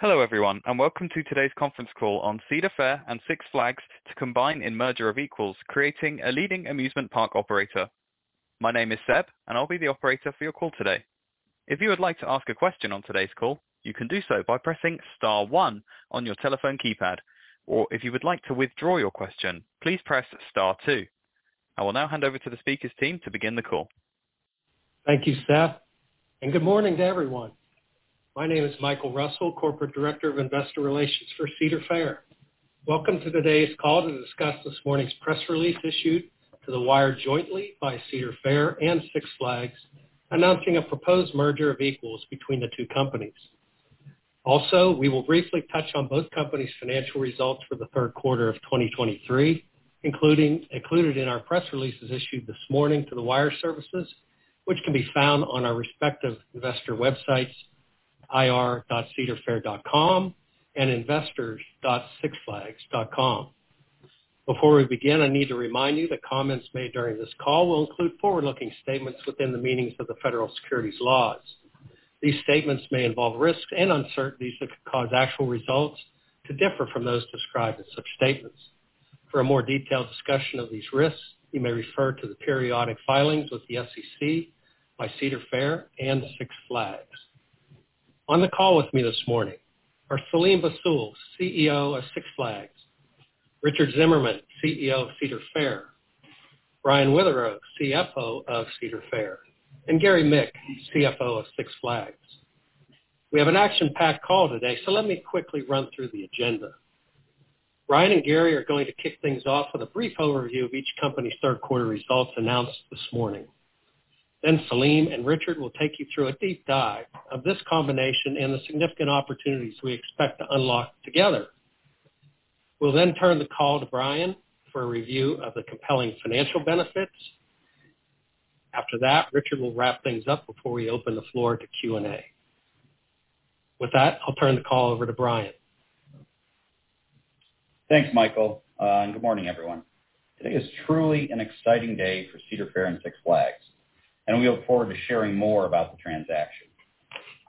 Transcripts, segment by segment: Hello, everyone, and welcome to today's conference call on Cedar Fair and Six Flags to combine in merger of equals, creating a leading amusement park operator. My name is Seb, and I'll be the operator for your call today. If you would like to ask a question on today's call, you can do so by pressing star one on your telephone keypad, or if you would like to withdraw your question, please press star two. I will now hand over to the speakers' team to begin the call. Thank you, Seb, and good morning to everyone. My name is Michael Russell, Corporate Director of Investor Relations for Cedar Fair. Welcome to today's call to discuss this morning's press release issued to the wire jointly by Cedar Fair and Six Flags, announcing a proposed merger of equals between the two companies. Also, we will briefly touch on both companies' financial results for the third quarter of 2023, including in our press releases issued this morning to the wire services, which can be found on our respective investor websites, ir.cedarfair.com and investors.sixflags.com. Before we begin, I need to remind you that comments made during this call will include forward-looking statements within the meanings of the federal securities laws. These statements may involve risks and uncertainties that could cause actual results to differ from those described in such statements. For a more detailed discussion of these risks, you may refer to the periodic filings with the SEC by Cedar Fair and Six Flags. On the call with me this morning are Selim Bassoul, CEO of Six Flags; Richard Zimmerman, CEO of Cedar Fair; Brian Witherow, CFO of Cedar Fair; and Gary Mick, CFO of Six Flags. We have an action-packed call today, so let me quickly run through the agenda. Brian and Gary are going to kick things off with a brief overview of each company's third quarter results announced this morning. Then Selim and Richard will take you through a deep dive of this combination and the significant opportunities we expect to unlock together. We'll then turn the call to Brian for a review of the compelling financial benefits. After that, Richard will wrap things up before we open the floor to Q and A. With that, I'll turn the call over to Brian. Thanks, Michael, and good morning, everyone. Today is truly an exciting day for Cedar Fair and Six Flags, and we look forward to sharing more about the transaction.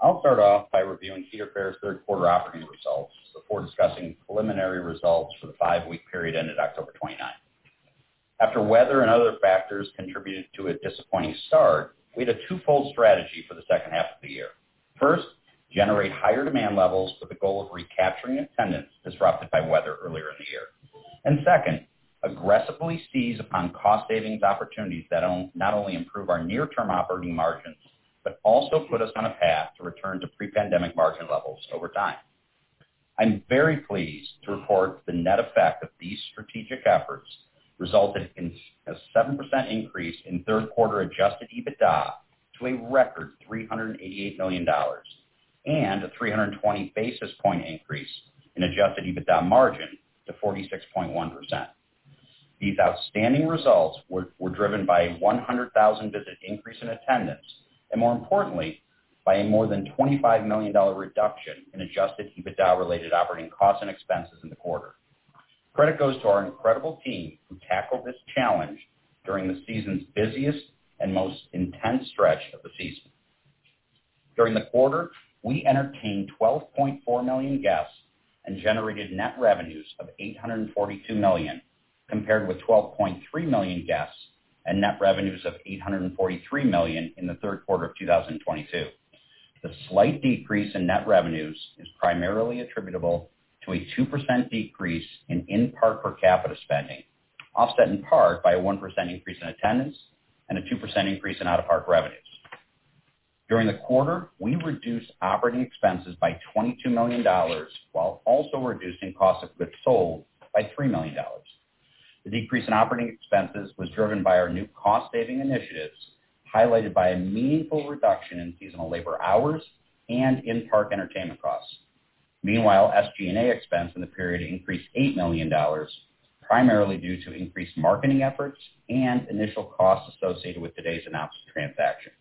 I'll start off by reviewing Cedar Fair's third quarter operating results before discussing preliminary results for the five-week period ended October 29. After weather and other factors contributed to a disappointing start, we had a twofold strategy for the second half of the year. First, generate higher demand levels with the goal of recapturing attendance disrupted by weather earlier in the year. And second, aggressively seize upon cost savings opportunities that will not only improve our near-term operating margins, but also put us on a path to return to pre-pandemic margin levels over time. I'm very pleased to report the net effect of these strategic efforts resulted in a 7% increase in third quarter Adjusted EBITDA to a record $388 million, and a 320 basis point increase in Adjusted EBITDA margin to 46.1%. These outstanding results were driven by a 100,000 visit increase in attendance, and more importantly, by a more than $25 million reduction in Adjusted EBITDA-related operating costs and expenses in the quarter. Credit goes to our incredible team who tackled this challenge during the season's busiest and most intense stretch of the season. During the quarter, we entertained 12.4 million guests and generated net revenues of $842 million, compared with 12.3 million guests and net revenues of $843 million in the third quarter of 2022. The slight decrease in net revenues is primarily attributable to a 2% decrease in in-park per capita spending, offset in part by a 1% increase in attendance and a 2% increase in out-of-park revenues. During the quarter, we reduced operating expenses by $22 million, while also reducing cost of goods sold by $3 million. The decrease in operating expenses was driven by our new cost-saving initiatives, highlighted by a meaningful reduction in seasonal labor hours and in-park entertainment costs. Meanwhile, SG&A expenses in the period increased $8 million, primarily due to increased marketing efforts and initial costs associated with today's announced transaction.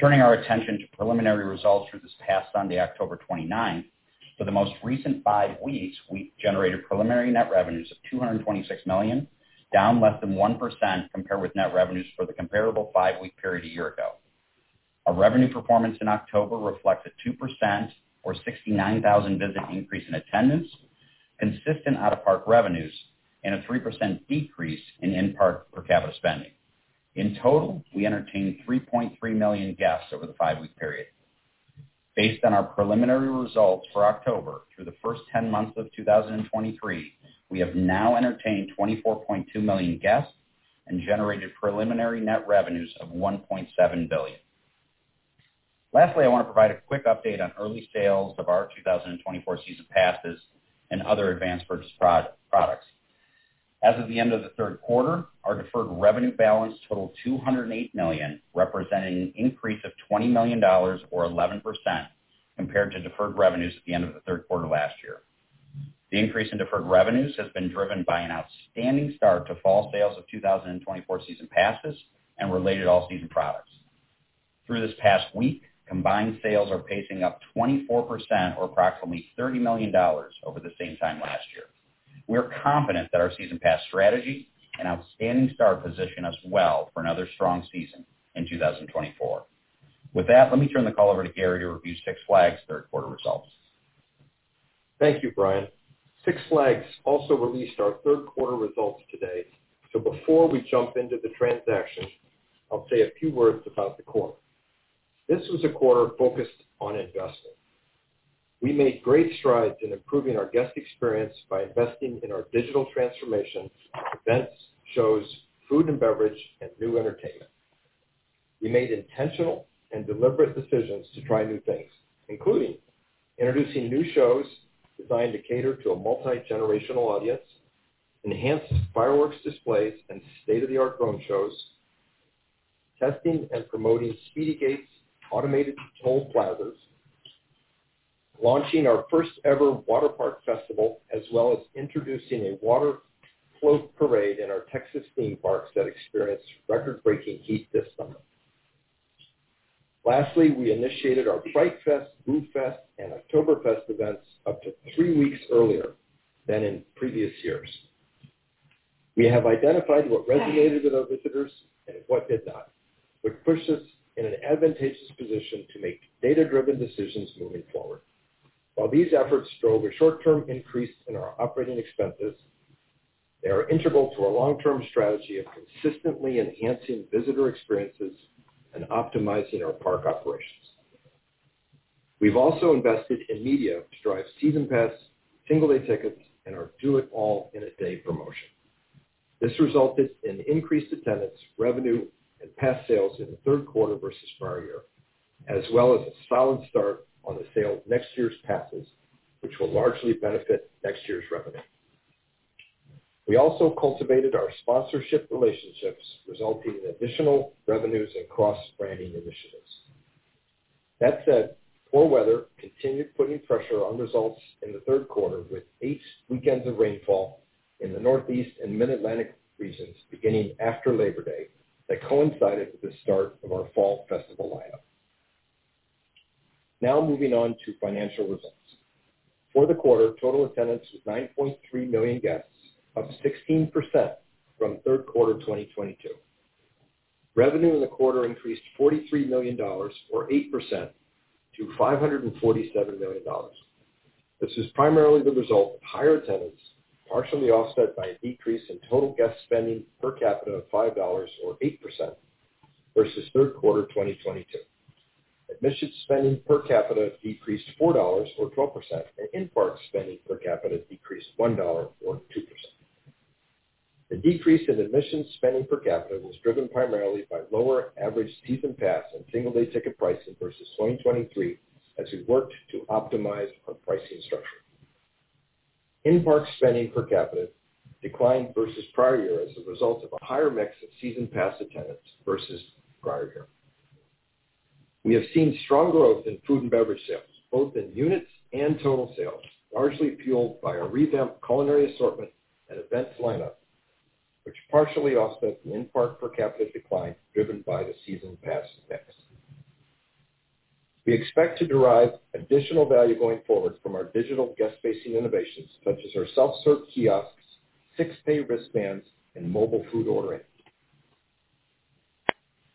Turning our attention to preliminary results through this past Sunday, October 29, for the most recent five weeks, we generated preliminary net revenues of $226 million, down less than 1% compared with net revenues for the comparable five-week period a year ago. Our revenue performance in October reflects a 2% or 69,000 visit increase in attendance, consistent out-of-park revenues, and a 3% decrease in in-park per capita spending. In total, we entertained 3.3 million guests over the five-week period. Based on our preliminary results for October, through the first 10 months of 2023, we have now entertained 24.2 million guests and generated preliminary net revenues of $1.7 billion. Lastly, I want to provide a quick update on early sales of our 2024 season passes and other advanced purchase products. As of the end of the third quarter, our deferred revenue balance totaled $208 million, representing an increase of $20 million or 11% compared to deferred revenues at the end of the third quarter last year. The increase in deferred revenues has been driven by an outstanding start to fall sales of 2024 season passes and related all-season products. Through this past week, combined sales are pacing up 24% or approximately $30 million over the same time last year. We're confident that our season pass strategy and outstanding start position us well for another strong season in 2024. With that, let me turn the call over to Gary to review Six Flags' third quarter results. Thank you, Brian. Six Flags also released our third quarter results today. So before we jump into the transaction, I'll say a few words about the quarter. This was a quarter focused on investing. We made great strides in improving our guest experience by investing in our digital transformation, events, shows, food and beverage, and new entertainment. We made intentional and deliberate decisions to try new things, including introducing new shows designed to cater to a multigenerational audience, enhanced fireworks displays and state-of-the-art drone shows, testing and promoting speedy gates, automated toll plazas, launching our first-ever water park festival, as well as introducing a water float parade in our Texas theme parks that experienced record-breaking heat this summer. Lastly, we initiated our Fright Fest, Brewfest, and Oktoberfest events up to three weeks earlier than in previous years. We have identified what resonated with our visitors and what did not, which puts us in an advantageous position to make data-driven decisions moving forward. While these efforts drove a short-term increase in our operating expenses, they are integral to our long-term strategy of consistently enhancing visitor experiences and optimizing our park operations. We've also invested in media to drive season passes, single-day tickets, and our Do It All in a Day promotion. This resulted in increased attendance, revenue, and pass sales in the third quarter versus prior year, as well as a solid start on the sale of next year's passes, which will largely benefit next year's revenue. We also cultivated our sponsorship relationships, resulting in additional revenues and cross-branding initiatives. That said, poor weather continued putting pressure on results in the third quarter, with eight weekends of rainfall in the Northeast and Mid-Atlantic regions, beginning after Labor Day, that coincided with the start of our fall festival lineup. Now moving on to financial results. For the quarter, total attendance was 9.3 million guests, up 16% from third quarter 2022. Revenue in the quarter increased $43 million, or 8%, to $547 million. This is primarily the result of higher attendance, partially offset by a decrease in total guest spending per capita of $5 or 8% versus third quarter 2022. Admission spending per capita decreased $4 or 12%, and in-park spending per capita decreased $1 or 2%. The decrease in admission spending per capita was driven primarily by lower average season pass and single-day ticket pricing versus 2023, as we worked to optimize our pricing structure. In-park spending per capita declined versus prior year as a result of a higher mix of season pass attendance versus prior year. We have seen strong growth in food and beverage sales, both in units and total sales, largely fueled by our revamped culinary assortment and events lineup, which partially offset the in-park per capita decline, driven by the season pass mix. We expect to derive additional value going forward from our digital guest-facing innovations, such as our self-serve kiosks, SixPay wristbands, and mobile food ordering.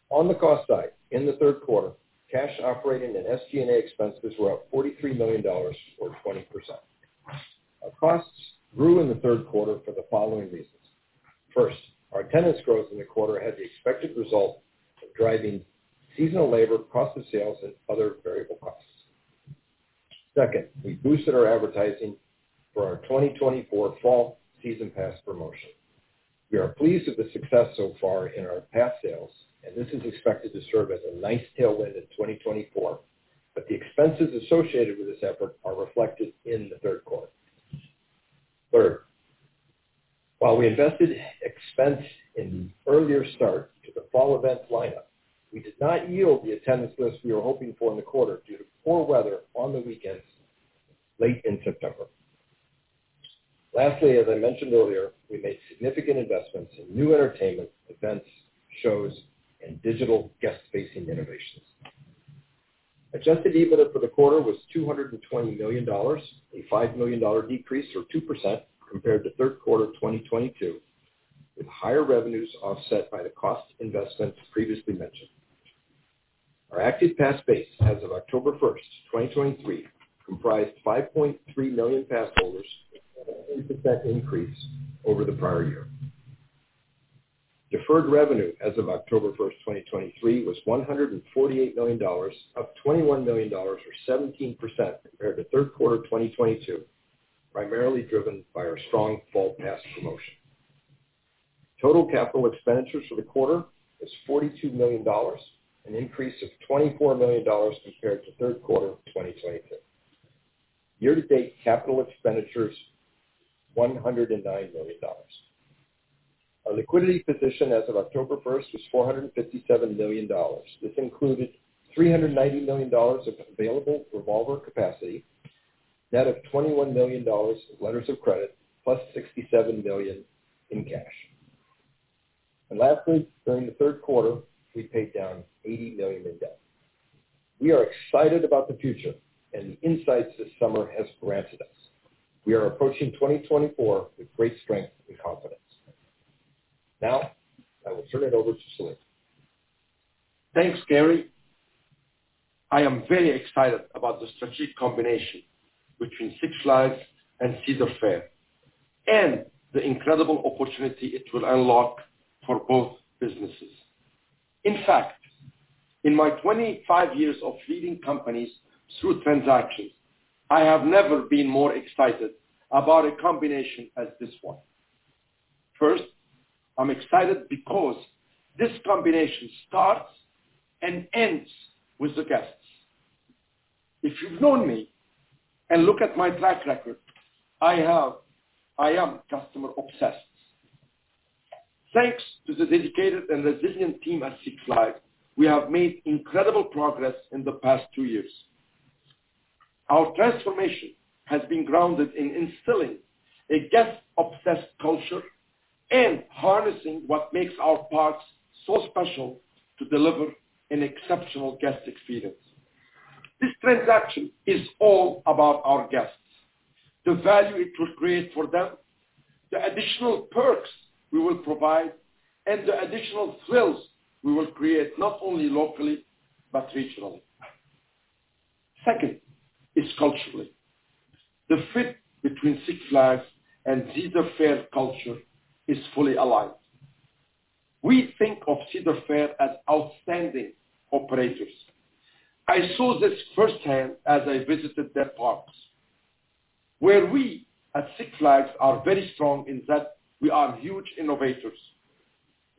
On the cost side, in the third quarter, cash, operating, and SG&A expenses were up $43 million, or 20%. Our costs grew in the third quarter for the following reasons: First, our attendance growth in the quarter had the expected result of driving seasonal labor, cost of sales, and other variable costs. Second, we boosted our advertising for our 2024 fall season pass promotion. We are pleased with the success so far in our pass sales, and this is expected to serve as a nice tailwind in 2024, but the expenses associated with this effort are reflected in the third quarter. Third, while we invested expense in the earlier start to the fall events lineup, we did not yield the attendance lifts we were hoping for in the quarter due to poor weather on the weekends late in September. Lastly, as I mentioned earlier, we made significant investments in new entertainment, events, shows, and digital guest-facing innovations. Adjusted EBITDA for the quarter was $220 million, a $5 million decrease, or 2%, compared to third quarter 2022, with higher revenues offset by the cost investments previously mentioned. Our active pass base as of October 1, 2023, comprised 5.3 million pass holders, an 8% increase over the prior year. Deferred revenue as of October 1, 2023, was $148 million, up $21 million or 17% compared to third quarter 2022, primarily driven by our strong fall pass promotion. Total capital expenditures for the quarter was $42 million, an increase of $24 million compared to third quarter 2022. Year-to-date capital expenditures, $109 million. Our liquidity position as of October 1 was $457 million. This included $390 million of available revolver capacity, net of $21 million of letters of credit, plus $67 million in cash. Lastly, during the third quarter, we paid down $80 million in debt. We are excited about the future and the insights this summer has granted us. We are approaching 2024 with great strength and confidence. Now, I will turn it over to Selim. Thanks, Gary. I am very excited about the strategic combination between Six Flags and Cedar Fair, and the incredible opportunity it will unlock for both businesses. In fact, in my 25 years of leading companies through transactions, I have never been more excited about a combination as this one. First, I'm excited because this combination starts and ends with the guests. If you've known me and look at my track record, I am customer obsessed. Thanks to the dedicated and resilient team at Six Flags, we have made incredible progress in the past two years. Our transformation has been grounded in instilling a guest-obsessed culture and harnessing what makes our parks so special to deliver an exceptional guest experience. This transaction is all about our guests, the value it will create for them, the additional perks we will provide, and the additional thrills we will create, not only locally, but regionally. Second, it's cultural. The fit between Six Flags and Cedar Fair culture is fully aligned. We think of Cedar Fair as outstanding operators. I saw this firsthand as I visited their parks, where we, at Six Flags, are very strong in that we are huge innovators.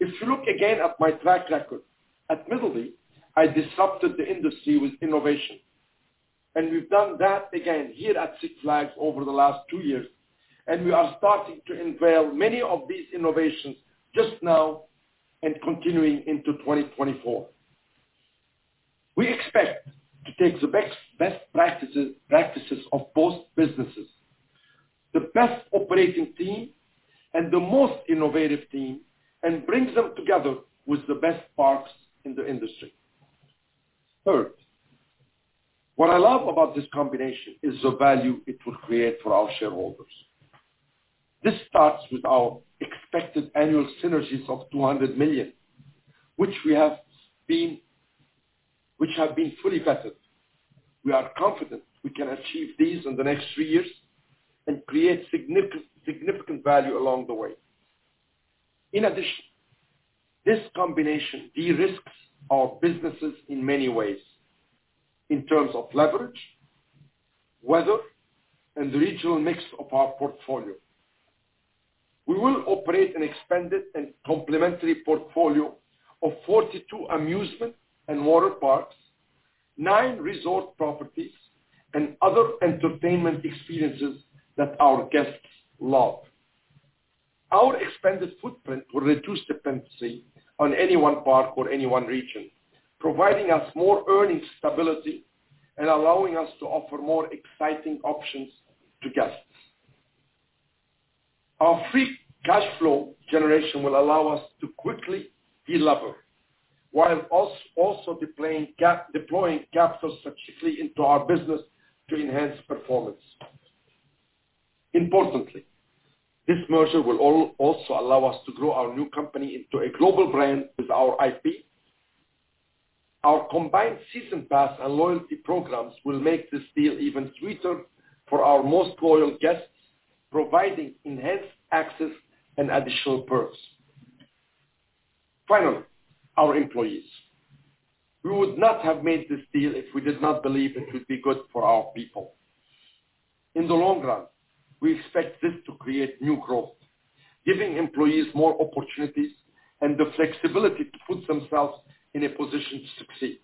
If you look again at my track record, at Middleby, I disrupted the industry with innovation, and we've done that again here at Six Flags over the last two years, and we are starting to unveil many of these innovations just now and continuing into 2024. We expect to take the best practices of both businesses, the best operating team and the most innovative team, and bring them together with the best parks in the industry. Third, what I love about this combination is the value it will create for our shareholders. This starts with our expected annual synergies of $200 million, which have been fully vetted. We are confident we can achieve these in the next three years and create significant value along the way. In addition, this combination de-risks our businesses in many ways, in terms of leverage, weather, and the regional mix of our portfolio. We will operate an expanded and complementary portfolio of 42 amusement and water parks, nine resort properties, and other entertainment experiences that our guests love. Our expanded footprint will reduce dependency on any one park or any one region, providing us more earning stability and allowing us to offer more exciting options to guests. Our free cash flow generation will allow us to quickly delever, while also deploying capital strategically into our business to enhance performance. Importantly, this merger will also allow us to grow our new company into a global brand with our IP. Our combined season pass and loyalty programs will make this deal even sweeter for our most loyal guests, providing enhanced access and additional perks. Finally, our employees. We would not have made this deal if we did not believe it would be good for our people. In the long run, we expect this to create new growth, giving employees more opportunities and the flexibility to put themselves in a position to succeed.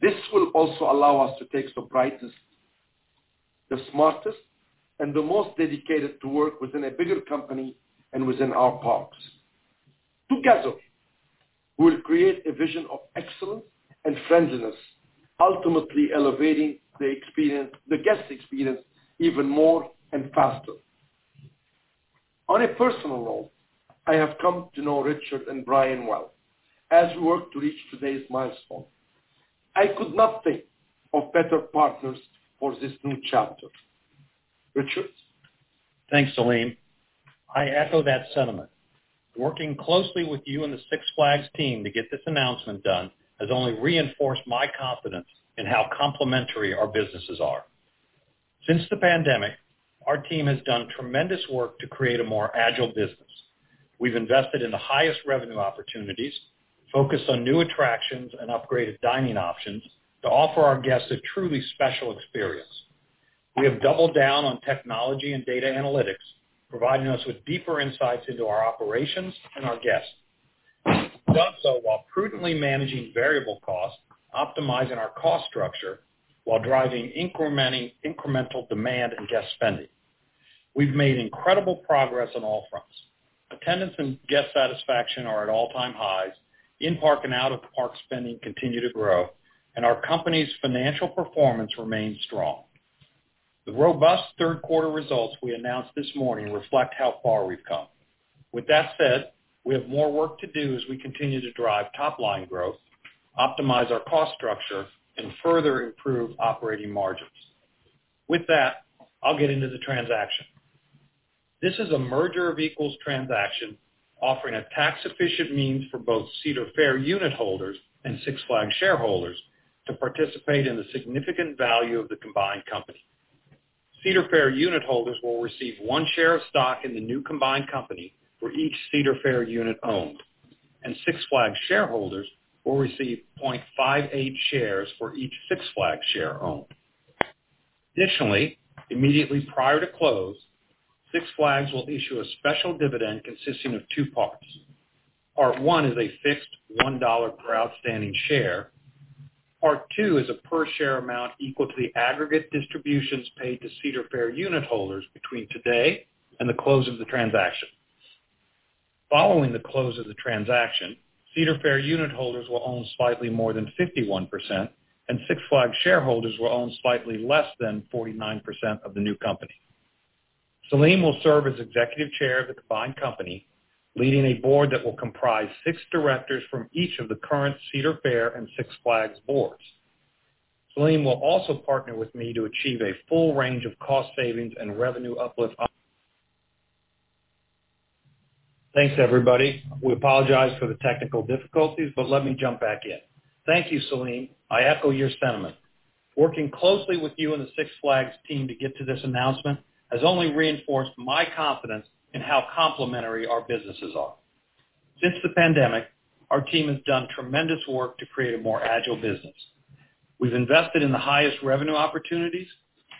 This will also allow us to take the brightest, the smartest, and the most dedicated to work within a bigger company and within our parks. Together, we'll create a vision of excellence and friendliness, ultimately elevating the experience, the guest experience, even more and faster. On a personal note, I have come to know Richard and Brian well as we worked to reach today's milestone. I could not think of better partners for this new chapter. Richard? Thanks, Selim. I echo that sentiment. Working closely with you and the Six Flags team to get this announcement done has only reinforced my confidence in how complementary our businesses are. Since the pandemic, our team has done tremendous work to create a more agile business. We've invested in the highest revenue opportunities, focused on new attractions and upgraded dining options to offer our guests a truly special experience. We have doubled down on technology and data analytics, providing us with deeper insights into our operations and our guests. We've done so while prudently managing variable costs, optimizing our cost structure, while driving incremental demand and guest spending. We've made incredible progress on all fronts. Attendance and guest satisfaction are at all-time highs. In-park and out-of-park spending continue to grow, and our company's financial performance remains strong. The robust third quarter results we announced this morning reflect how far we've come. With that said, we have more work to do as we continue to drive top-line growth, optimize our cost structure, and further improve operating margins. With that, I'll get into the transaction. This is a Merger of Equals transaction, offering a tax-efficient means for both Cedar Fair unit holders and Six Flags shareholders to participate in the significant value of the combined company. Cedar Fair unit holders will receive 1 share of stock in the new combined company for each Cedar Fair unit owned, and Six Flags shareholders will receive 0.58 shares for each Six Flags share owned. Additionally, immediately prior to close, Six Flags will issue a special dividend consisting of two parts. Part one is a fixed $1 per outstanding share. Part two is a per-share amount equal to the aggregate distributions paid to Cedar Fair unit holders between today and the close of the transaction. Following the close of the transaction, Cedar Fair unit holders will own slightly more than 51%, and Six Flags shareholders will own slightly less than 49% of the new company. Selim will serve as Executive Chair of the combined company, leading a board that will comprise six directors from each of the current Cedar Fair and Six Flags boards. Selim will also partner with me to achieve a full range of cost savings and revenue uplift. Thanks, everybody. We apologize for the technical difficulties, but let me jump back in. Thank you, Selim. I echo your sentiment. Working closely with you and the Six Flags team to get to this announcement has only reinforced my confidence in how complementary our businesses are. Since the pandemic, our team has done tremendous work to create a more agile business. We've invested in the highest revenue opportunities,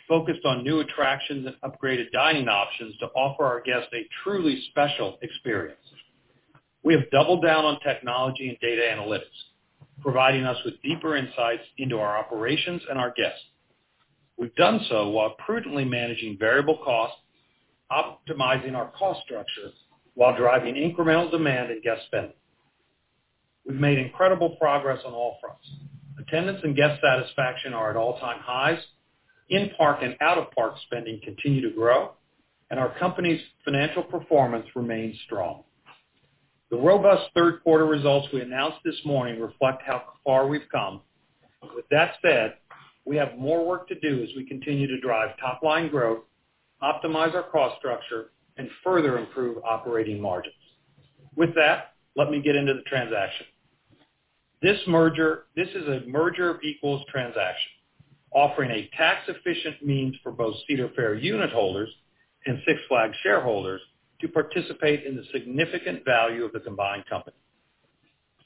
focused on new attractions and upgraded dining options to offer our guests a truly special experience. We have doubled down on technology and data analytics, providing us with deeper insights into our operations and our guests. We've done so while prudently managing variable costs, optimizing our cost structure, while driving incremental demand and guest spending. We've made incredible progress on all fronts. Attendance and guest satisfaction are at all-time highs. In-park and out-of-park spending continue to grow, and our company's financial performance remains strong. The robust third quarter results we announced this morning reflect how far we've come. With that said, we have more work to do as we continue to drive top-line growth, optimize our cost structure, and further improve operating margins. With that, let me get into the transaction. This merger, this is a Merger of Equals transaction, offering a tax-efficient means for both Cedar Fair unit holders and Six Flags shareholders to participate in the significant value of the combined company.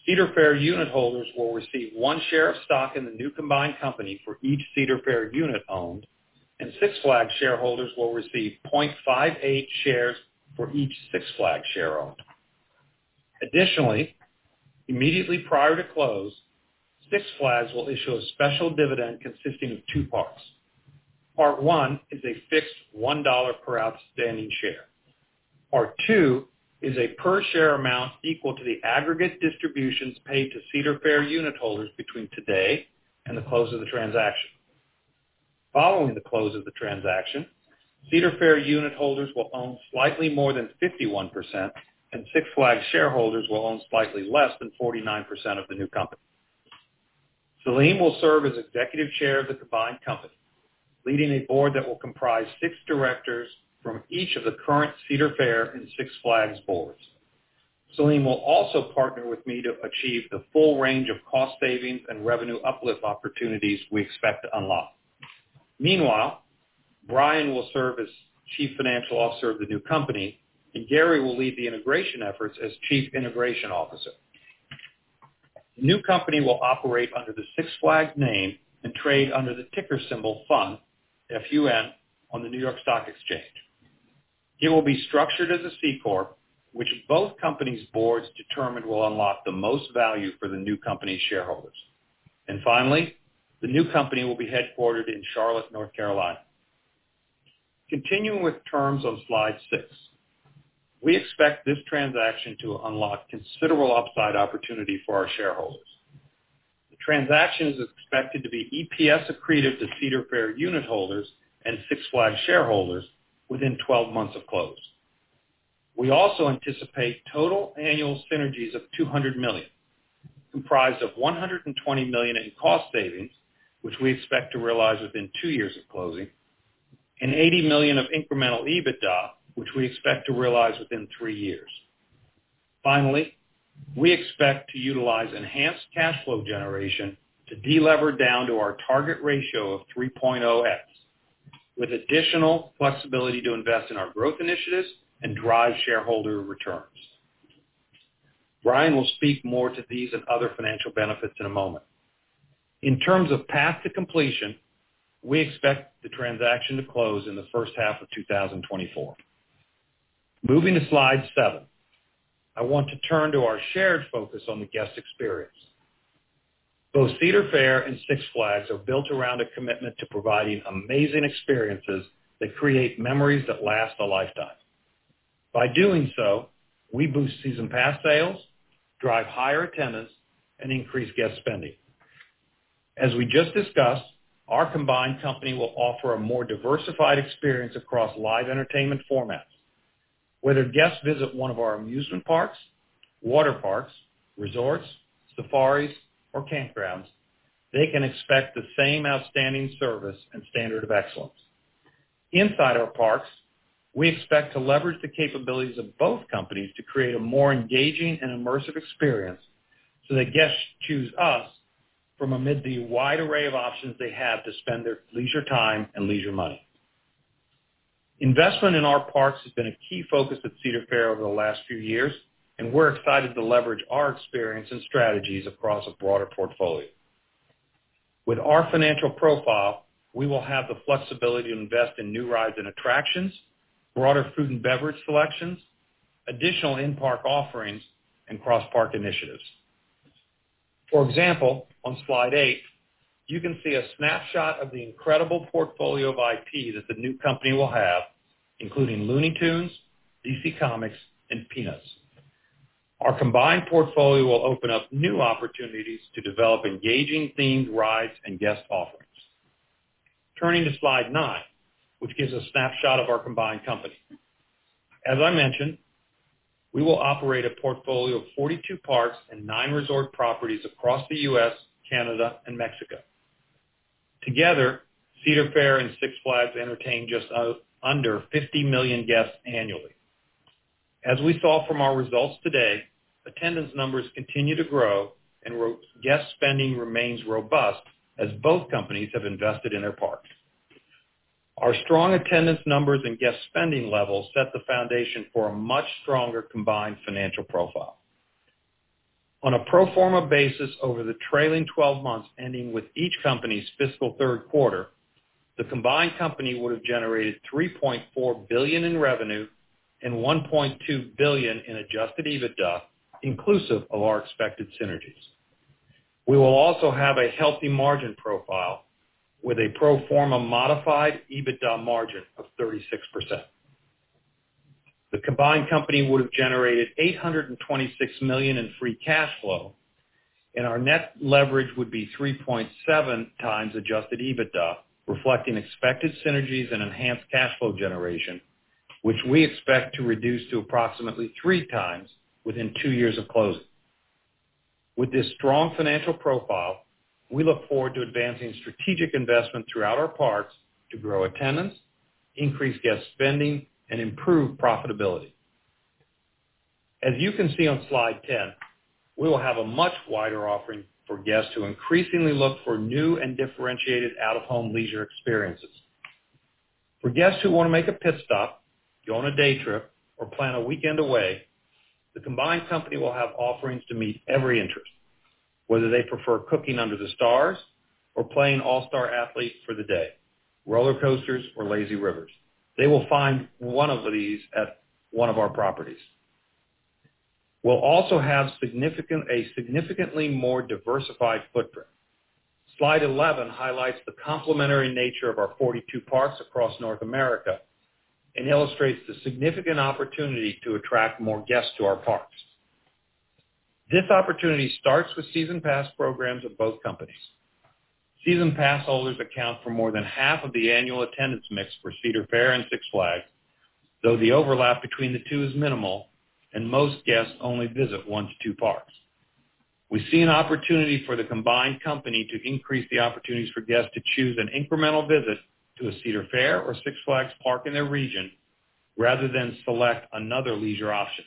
Cedar Fair unit holders will receive 1 share of stock in the new combined company for each Cedar Fair unit owned, and Six Flags shareholders will receive 0.58 shares for each Six Flags share owned. Additionally, immediately prior to close, Six Flags will issue a special dividend consisting of two parts. Part one is a fixed $1 per outstanding share. Part two is a per-share amount equal to the aggregate distributions paid to Cedar Fair unit holders between today and the close of the transaction. Following the close of the transaction, Cedar Fair unit holders will own slightly more than 51%, and Six Flags shareholders will own slightly less than 49% of the new company. Selim will serve as Executive Chair of the combined company, leading a board that will comprise six directors from each of the current Cedar Fair and Six Flags boards. Selim will also partner with me to achieve the full range of cost savings and revenue uplift opportunities we expect to unlock. Meanwhile, Brian will serve as Chief Financial Officer of the new company, and Gary will lead the integration efforts as Chief Integration Officer. The new company will operate under the Six Flags name and trade under the ticker symbol FUN, F-U-N, on the New York Stock Exchange. It will be structured as a C corp, which both companies' boards determined will unlock the most value for the new company's shareholders. Finally, the new company will be headquartered in Charlotte, North Carolina. Continuing with terms on slide six. We expect this transaction to unlock considerable upside opportunity for our shareholders. The transaction is expected to be EPS accretive to Cedar Fair unit holders and Six Flags shareholders within 12 months of close. We also anticipate total annual synergies of $200 million, comprised of $120 million in cost savings, which we expect to realize within two years of closing, and $80 million of incremental EBITDA, which we expect to realize within three years. Finally, we expect to utilize enhanced cash flow generation to delever down to our target ratio of 3.0x, with additional flexibility to invest in our growth initiatives and drive shareholder returns. Brian will speak more to these and other financial benefits in a moment. In terms of path to completion, we expect the transaction to close in the first half of 2024. Moving to slide seven, I want to turn to our shared focus on the guest experience. Both Cedar Fair and Six Flags are built around a commitment to providing amazing experiences that create memories that last a lifetime. By doing so, we boost season pass sales, drive higher attendance, and increase guest spending. As we just discussed, our combined company will offer a more diversified experience across live entertainment formats. Whether guests visit one of our amusement parks, water parks, resorts, safaris, or campgrounds, they can expect the same outstanding service and standard of excellence. Inside our parks, we expect to leverage the capabilities of both companies to create a more engaging and immersive experience, so that guests choose us from amid the wide array of options they have to spend their leisure time and leisure money. Investment in our parks has been a key focus at Cedar Fair over the last few years, and we're excited to leverage our experience and strategies across a broader portfolio. With our financial profile, we will have the flexibility to invest in new rides and attractions, broader food and beverage selections, additional in-park offerings, and cross-park initiatives. For example, on slide eight, you can see a snapshot of the incredible portfolio of IP that the new company will have, including Looney Tunes, DC Comics, and Peanuts. Our combined portfolio will open up new opportunities to develop engaging themed rides and guest offerings. Turning to slide nine, which gives a snapshot of our combined company. As I mentioned, we will operate a portfolio of 42 parks and nine resort properties across the U.S., Canada, and Mexico. Together, Cedar Fair and Six Flags entertain just under 50 million guests annually. As we saw from our results today, attendance numbers continue to grow and guest spending remains robust as both companies have invested in their parks. Our strong attendance numbers and guest spending levels set the foundation for a much stronger combined financial profile. On a pro forma basis, over the trailing twelve months, ending with each company's fiscal third quarter, the combined company would have generated $3.4 billion in revenue and $1.2 billion in Adjusted EBITDA, inclusive of our expected synergies. We will also have a healthy margin profile with a pro forma modified EBITDA margin of 36%. The combined company would have generated $826 million in free cash flow, and our net leverage would be 3.7x Adjusted EBITDA, reflecting expected synergies and enhanced cash flow generation, which we expect to reduce to approximately 3x within two years of closing. With this strong financial profile, we look forward to advancing strategic investment throughout our parks to grow attendance, increase guest spending, and improve profitability. As you can see on slide 10, we will have a much wider offering for guests who increasingly look for new and differentiated out-of-home leisure experiences. For guests who want to make a pit stop, go on a day trip, or plan a weekend away, the combined company will have offerings to meet every interest, whether they prefer cooking under the stars or playing all-star athlete for the day, roller coasters or lazy rivers. They will find one of these at one of our properties. We'll also have significantly more diversified footprint. Slide 11 highlights the complementary nature of our 42 parks across North America and illustrates the significant opportunity to attract more guests to our parks. This opportunity starts with season pass programs of both companies. Season pass holders account for more than half of the annual attendance mix for Cedar Fair and Six Flags, though the overlap between the two is minimal, and most guests only visit 1-2 parks. We see an opportunity for the combined company to increase the opportunities for guests to choose an incremental visit to a Cedar Fair or Six Flags park in their region, rather than select another leisure option.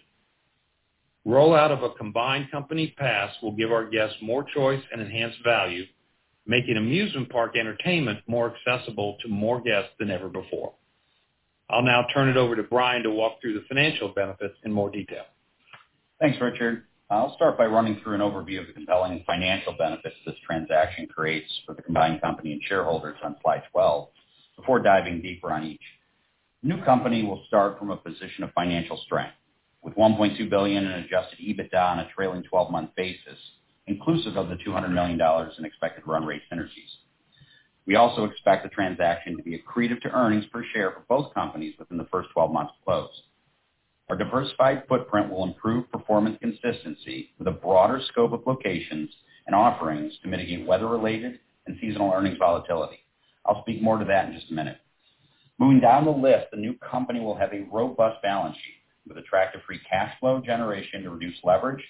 Rollout of a combined company pass will give our guests more choice and enhanced value, making amusement park entertainment more accessible to more guests than ever before. I'll now turn it over to Brian to walk through the financial benefits in more detail. Thanks, Richard. I'll start by running through an overview of the compelling financial benefits this transaction creates for the combined company and shareholders on slide 12, before diving deeper on each. New company will start from a position of financial strength, with $1.2 billion in Adjusted EBITDA on a trailing 12-month basis, inclusive of the $200 million in expected run rate synergies. We also expect the transaction to be accretive to earnings per share for both companies within the first twelve months post. Our diversified footprint will improve performance consistency with a broader scope of locations and offerings to mitigate weather-related and seasonal earnings volatility. I'll speak more to that in just a minute. Moving down the list, the new company will have a robust balance sheet with attractive free cash flow generation to reduce leverage,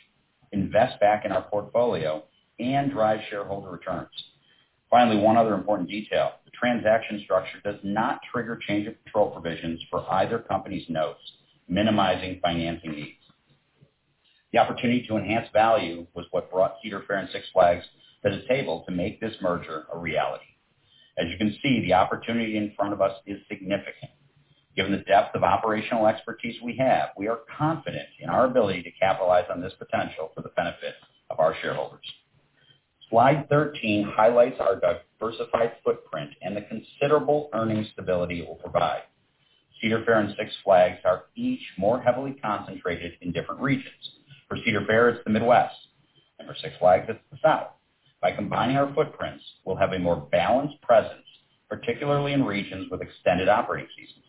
invest back in our portfolio, and drive shareholder returns. Finally, one other important detail, the transaction structure does not trigger change of control provisions for either company's notes, minimizing financing needs. The opportunity to enhance value was what brought Cedar Fair and Six Flags to the table to make this merger a reality. As you can see, the opportunity in front of us is significant. Given the depth of operational expertise we have, we are confident in our ability to capitalize on this potential for the benefit of our shareholders. Slide 13 highlights our diversified footprint and the considerable earnings stability it will provide. Cedar Fair and Six Flags are each more heavily concentrated in different regions. For Cedar Fair, it's the Midwest and for Six Flags to the south. By combining our footprints, we'll have a more balanced presence, particularly in regions with extended operating seasons.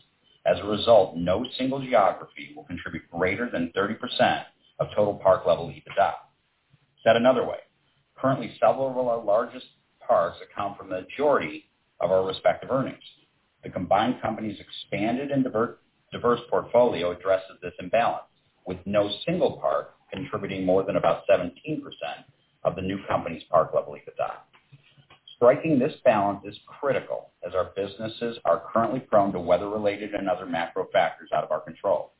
As a result, no single geography will contribute greater than 30% of total park level EBITDA. Said another way, currently, several of our largest parks account for the majority of our respective earnings. The combined companies' expanded and diverse portfolio addresses this imbalance, with no single park contributing more than about 17% of the new company's park level EBITDA. Striking this balance is critical, as our businesses are currently prone to weather-related and other macro factors out of our control.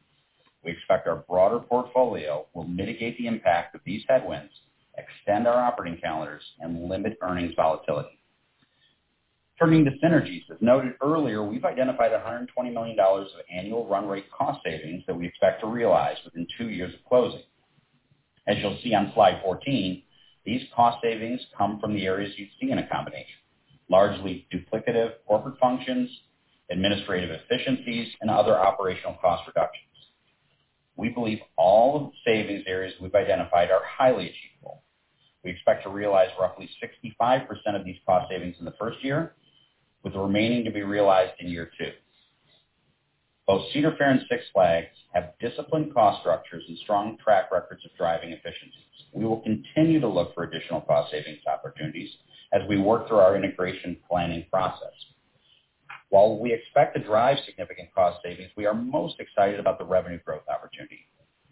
We expect our broader portfolio will mitigate the impact of these headwinds, extend our operating calendars, and limit earnings volatility. Turning to synergies, as noted earlier, we've identified $120 million of annual run rate cost savings that we expect to realize within two years of closing. As you'll see on slide 14, these cost savings come from the areas you'd see in a combination, largely duplicative corporate functions, administrative efficiencies, and other operational cost reductions. We believe all the savings areas we've identified are highly achievable. We expect to realize roughly 65% of these cost savings in the first year, with the remaining to be realized in year two. Both Cedar Fair and Six Flags have disciplined cost structures and strong track records of driving efficiencies. We will continue to look for additional cost savings opportunities as we work through our integration planning process. While we expect to drive significant cost savings, we are most excited about the revenue growth opportunity.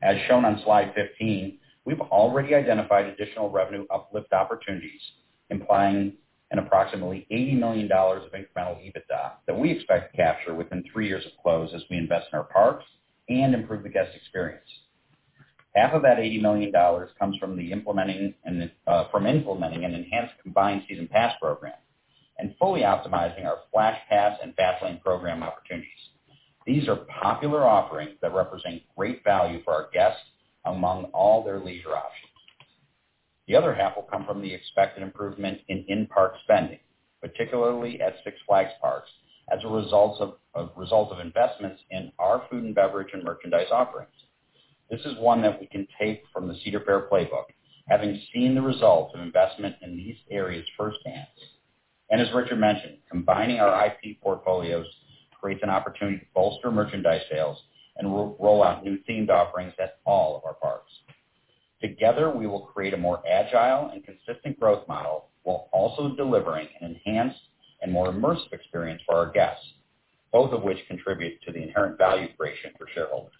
As shown on slide 15, we've already identified additional revenue uplift opportunities, implying an approximately $80 million of incremental EBITDA that we expect to capture within three years of close as we invest in our parks and improve the guest experience. Half of that $80 million comes from implementing an enhanced combined season pass program and fully optimizing our Flash Pass and Fast Lane program opportunities. These are popular offerings that represent great value for our guests among all their leisure options. The other half will come from the expected improvement in in-park spending, particularly at Six Flags parks, as a result of investments in our food and beverage and merchandise offerings. This is one that we can take from the Cedar Fair playbook, having seen the results of investment in these areas firsthand. As Richard mentioned, combining our IP portfolios creates an opportunity to bolster merchandise sales and roll out new themed offerings at all of our parks. Together, we will create a more agile and consistent growth model, while also delivering an enhanced and more immersive experience for our guests, both of which contribute to the inherent value creation for shareholders.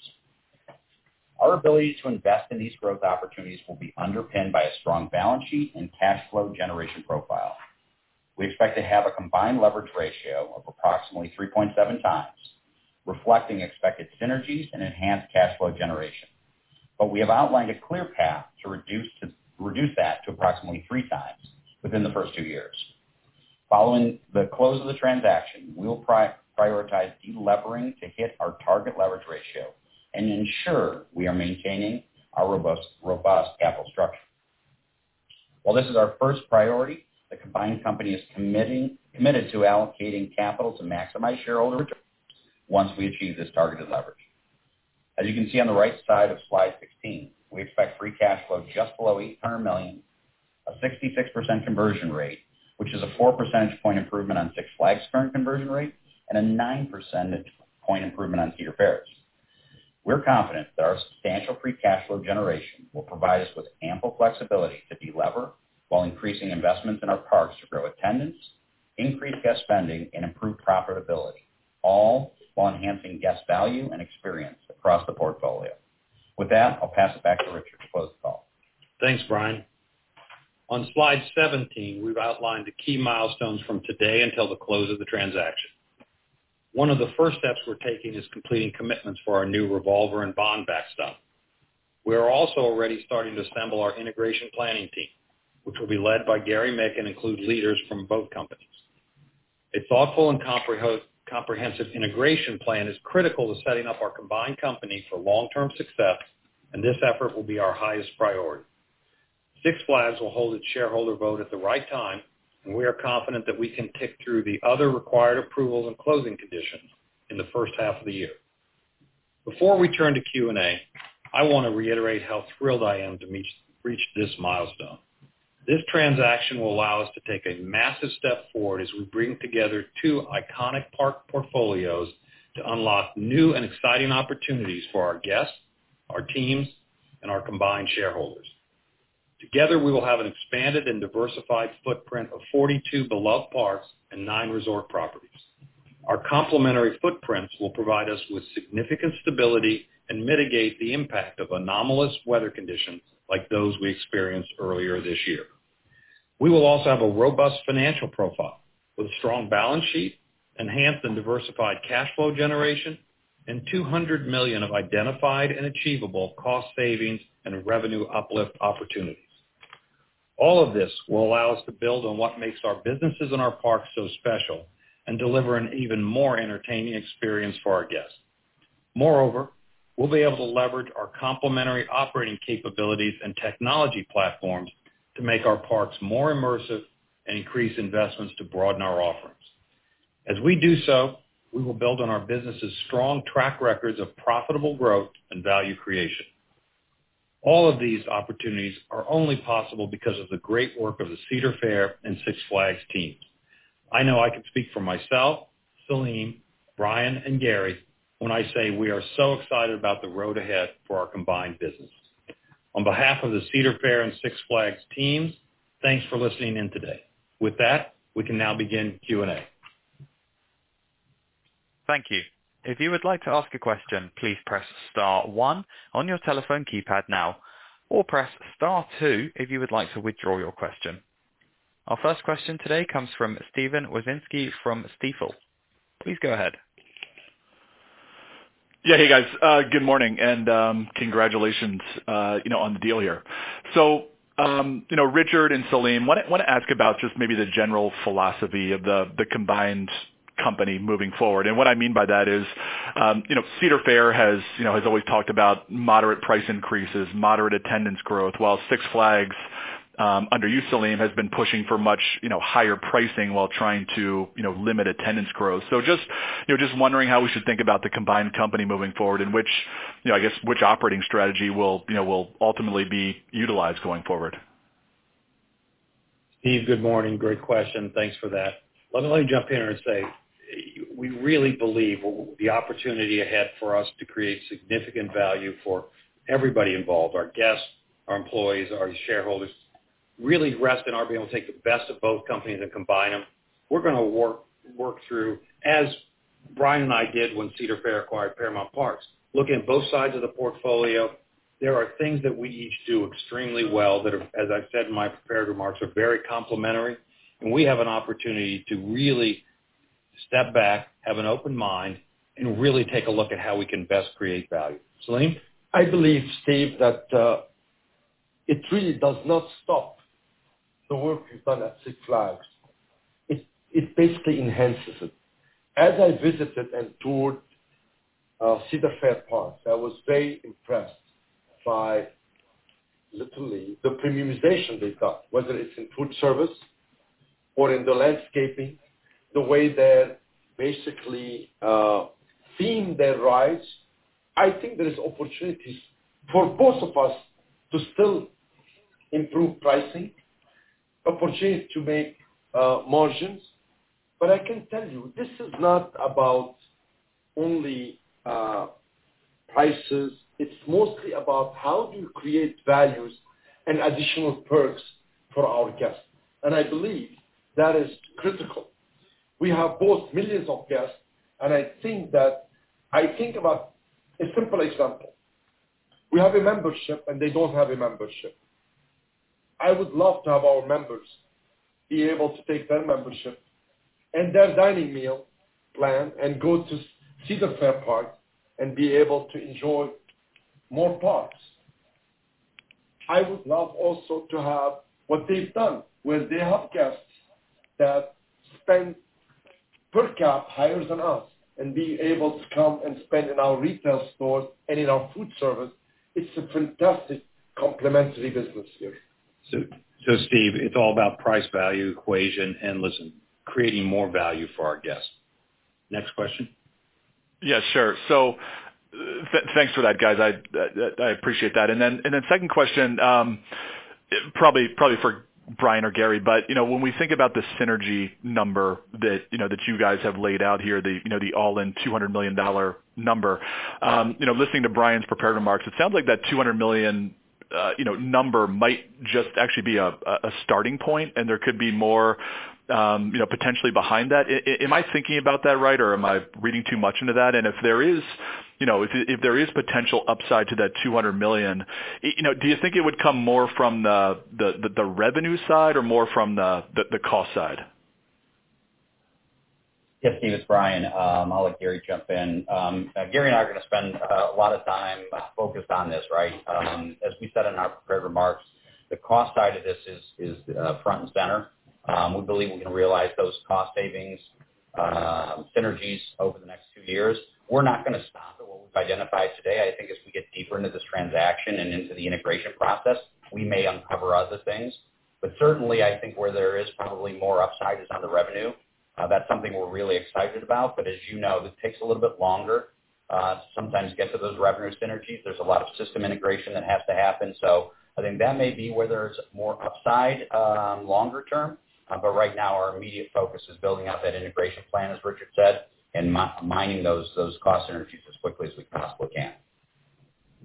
Our ability to invest in these growth opportunities will be underpinned by a strong balance sheet and cash flow generation profile. We expect to have a combined leverage ratio of approximately 3.7x, reflecting expected synergies and enhanced cash flow generation. But we have outlined a clear path to reduce that to approximately 3x within the first two years. Following the close of the transaction, we will prioritize delevering to hit our target leverage ratio and ensure we are maintaining our robust capital structure. While this is our first priority, the combined company is committed to allocating capital to maximize shareholder returns once we achieve this targeted leverage. As you can see on the right side of slide 16, we expect free cash flow just below $800 million, a 66% conversion rate, which is a four percentage point improvement on Six Flags' current conversion rate and a nine percentage point improvement on Cedar Fair's. We're confident that our substantial free cash flow generation will provide us with ample flexibility to delever while increasing investments in our parks to grow attendance, increase guest spending, and improve profitability, all while enhancing guest value and experience across the portfolio. With that, I'll pass it back to Richard to close the call. Thanks, Brian. On slide 17, we've outlined the key milestones from today until the close of the transaction. One of the first steps we're taking is completing commitments for our new revolver and bond backstop. We are also already starting to assemble our integration planning team, which will be led by Gary Mick and include leaders from both companies. A thoughtful and comprehensive integration plan is critical to setting up our combined company for long-term success, and this effort will be our highest priority. Six Flags will hold its shareholder vote at the right time, and we are confident that we can tick through the other required approvals and closing conditions in the first half of the year. Before we turn to Q and A, I want to reiterate how thrilled I am to reach this milestone. This transaction will allow us to take a massive step forward as we bring together two iconic park portfolios to unlock new and exciting opportunities for our guests, our teams, and our combined shareholders. Together, we will have an expanded and diversified footprint of 42 beloved parks and nine resort properties. Our complementary footprints will provide us with significant stability and mitigate the impact of anomalous weather conditions like those we experienced earlier this year. We will also have a robust financial profile with a strong balance sheet, enhanced and diversified cash flow generation, and $200 million of identified and achievable cost savings and revenue uplift opportunities. All of this will allow us to build on what makes our businesses and our parks so special and deliver an even more entertaining experience for our guests. Moreover, we'll be able to leverage our complementary operating capabilities and technology platforms to make our parks more immersive and increase investments to broaden our offerings. As we do so, we will build on our businesses' strong track records of profitable growth and value creation. All of these opportunities are only possible because of the great work of the Cedar Fair and Six Flags teams. I know I can speak for myself, Selim, Brian, and Gary when I say we are so excited about the road ahead for our combined business. On behalf of the Cedar Fair and Six Flags teams, thanks for listening in today. With that, we can now begin Q and A. Thank you. If you would like to ask a question, please press star one on your telephone keypad now, or press star two if you would like to withdraw your question. Our first question today comes from Steven Wieczynski from Stifel. Please go ahead. Yeah. Hey, guys, good morning, and, congratulations, you know, on the deal here. So, you know, Richard and Selim, wanna ask about just maybe the general philosophy of the combined company moving forward. And what I mean by that is, you know, Cedar Fair has, you know, has always talked about moderate price increases, moderate attendance growth, while Six Flags, under you, Selim, has been pushing for much, you know, higher pricing while trying to, you know, limit attendance growth. So just, you know, just wondering how we should think about the combined company moving forward, and which, you know, I guess, which operating strategy will, you know, will ultimately be utilized going forward? Steve, good morning. Great question. Thanks for that. Let me jump in here and say, we really believe the opportunity ahead for us to create significant value for everybody involved, our guests, our employees, our shareholders, really rests in our being able to take the best of both companies and combine them. We're gonna work through, as Brian and I did when Cedar Fair acquired Paramount Parks, looking at both sides of the portfolio. There are things that we each do extremely well that are, as I've said in my prepared remarks, very complementary, and we have an opportunity to really step back, have an open mind, and really take a look at how we can best create value. Selim? I believe, Steve, that, it really does not stop the work we've done at Six Flags. It, it basically enhances it. As I visited and toured, Cedar Fair parks, I was very impressed by literally the premiumization they've got, whether it's in food service or in the landscaping, the way they're basically, theming their rides. I think there is opportunities for both of us to still improve pricing, opportunities to make, margins. But I can tell you, this is not about only, prices. It's mostly about how do you create values and additional perks for our guests. I believe that is critical. We have both millions of guests, and I think that, I think about a simple example. We have a membership, and they don't have a membership. I would love to have our members be able to take their membership and their dining meal plan and go to Cedar Fair Park and be able to enjoy more parks. I would love also to have what they've done, where they have guests that spend per cap higher than us, and be able to come and spend in our retail stores and in our food service. It's a fantastic complementary business here. So, so Steve, it's all about price-value equation and, listen, creating more value for our guests. Next question? Yeah, sure. So thanks for that, guys. I appreciate that. And then second question, probably for Brian or Gary, but you know, when we think about the synergy number that you know that you guys have laid out here, the you know the all-in $200 million number, you know, listening to Brian's prepared remarks, it sounds like that $200 million number might just actually be a starting point, and there could be more you know potentially behind that. Am I thinking about that right, or am I reading too much into that? And if there is you know if there is potential upside to that $200 million, you know, do you think it would come more from the revenue side or more from the cost side? Yeah, Steve, it's Brian. I'll let Gary jump in. Gary and I are gonna spend a lot of time focused on this, right? As we said in our prepared remarks, the cost side of this is front and center. We believe we can realize those cost savings synergies over the next two years. We're not gonna stop at what we've identified today. I think as we get deeper into this transaction and into the integration process, we may uncover other things. But certainly, I think where there is probably more upside is on the revenue. That's something we're really excited about, but as you know, this takes a little bit longer to sometimes get to those revenue synergies. There's a lot of system integration that has to happen. So I think that may be where there's more upside longer term. But right now, our immediate focus is building out that integration plan, as Richard said, and mining those, those cost synergies as quickly as we possibly can.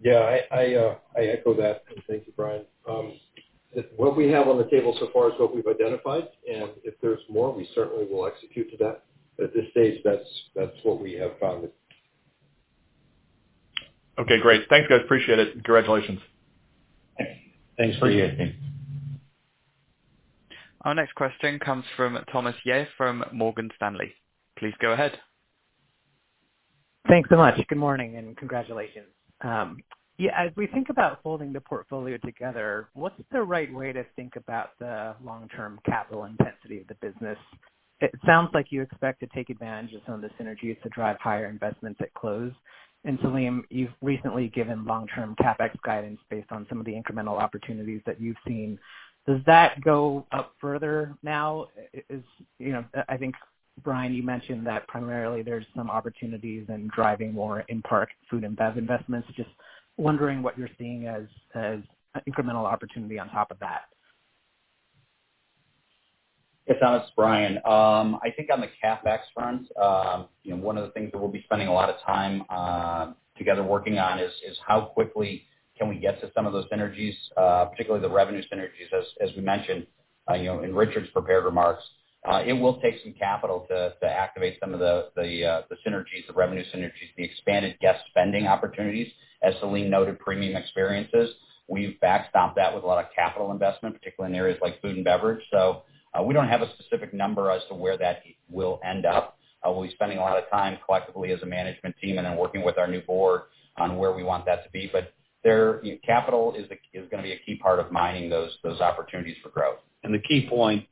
Yeah, I echo that, and thank you, Brian. What we have on the table so far is what we've identified, and if there's more, we certainly will execute to that. At this stage, that's what we have found. Okay, great. Thanks, guys, appreciate it. Congratulations. Thanks. Thanks for you, Steve. Our next question comes from Thomas Yeh from Morgan Stanley. Please go ahead. Thanks so much. Good morning, and congratulations. Yeah, as we think about holding the portfolio together, what's the right way to think about the long-term capital intensity of the business? It sounds like you expect to take advantage of some of the synergies to drive higher investments at close. And Selim, you've recently given long-term CapEx guidance based on some of the incremental opportunities that you've seen. Does that go up further now? Is, you know, I think, Brian, you mentioned that primarily there's some opportunities in driving more in-park food and bev investments. Just wondering what you're seeing as incremental opportunity on top of that. Yeah, Thomas, Brian. I think on the CapEx front, you know, one of the things that we'll be spending a lot of time together working on is how quickly can we get to some of those synergies, particularly the revenue synergies. As we mentioned, you know, in Richard's prepared remarks, it will take some capital to activate some of the synergies, the revenue synergies, the expanded guest spending opportunities. As Selim noted, premium experiences, we've backstopped that with a lot of capital investment, particularly in areas like food and beverage. So, we don't have a specific number as to where that will end up. We'll be spending a lot of time collectively as a management team and then working with our new board on where we want that to be. But capital is gonna be a key part of mining those opportunities for growth. The key point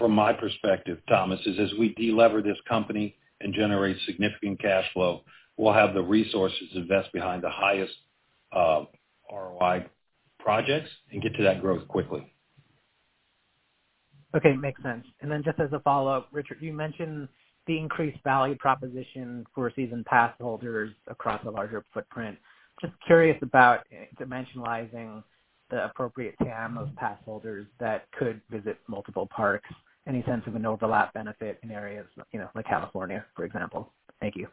from my perspective, Thomas, is as we delever this company and generate significant cash flow, we'll have the resources to invest behind the highest ROI projects and get to that growth quickly. Okay, makes sense. Just as a follow-up, Richard, you mentioned the increased value proposition for season pass holders across a larger footprint. Just curious about dimensionalizing the appropriate TAM of pass holders that could visit multiple parks. Any sense of an overlap benefit in areas, you know, like California, for example? Thank you.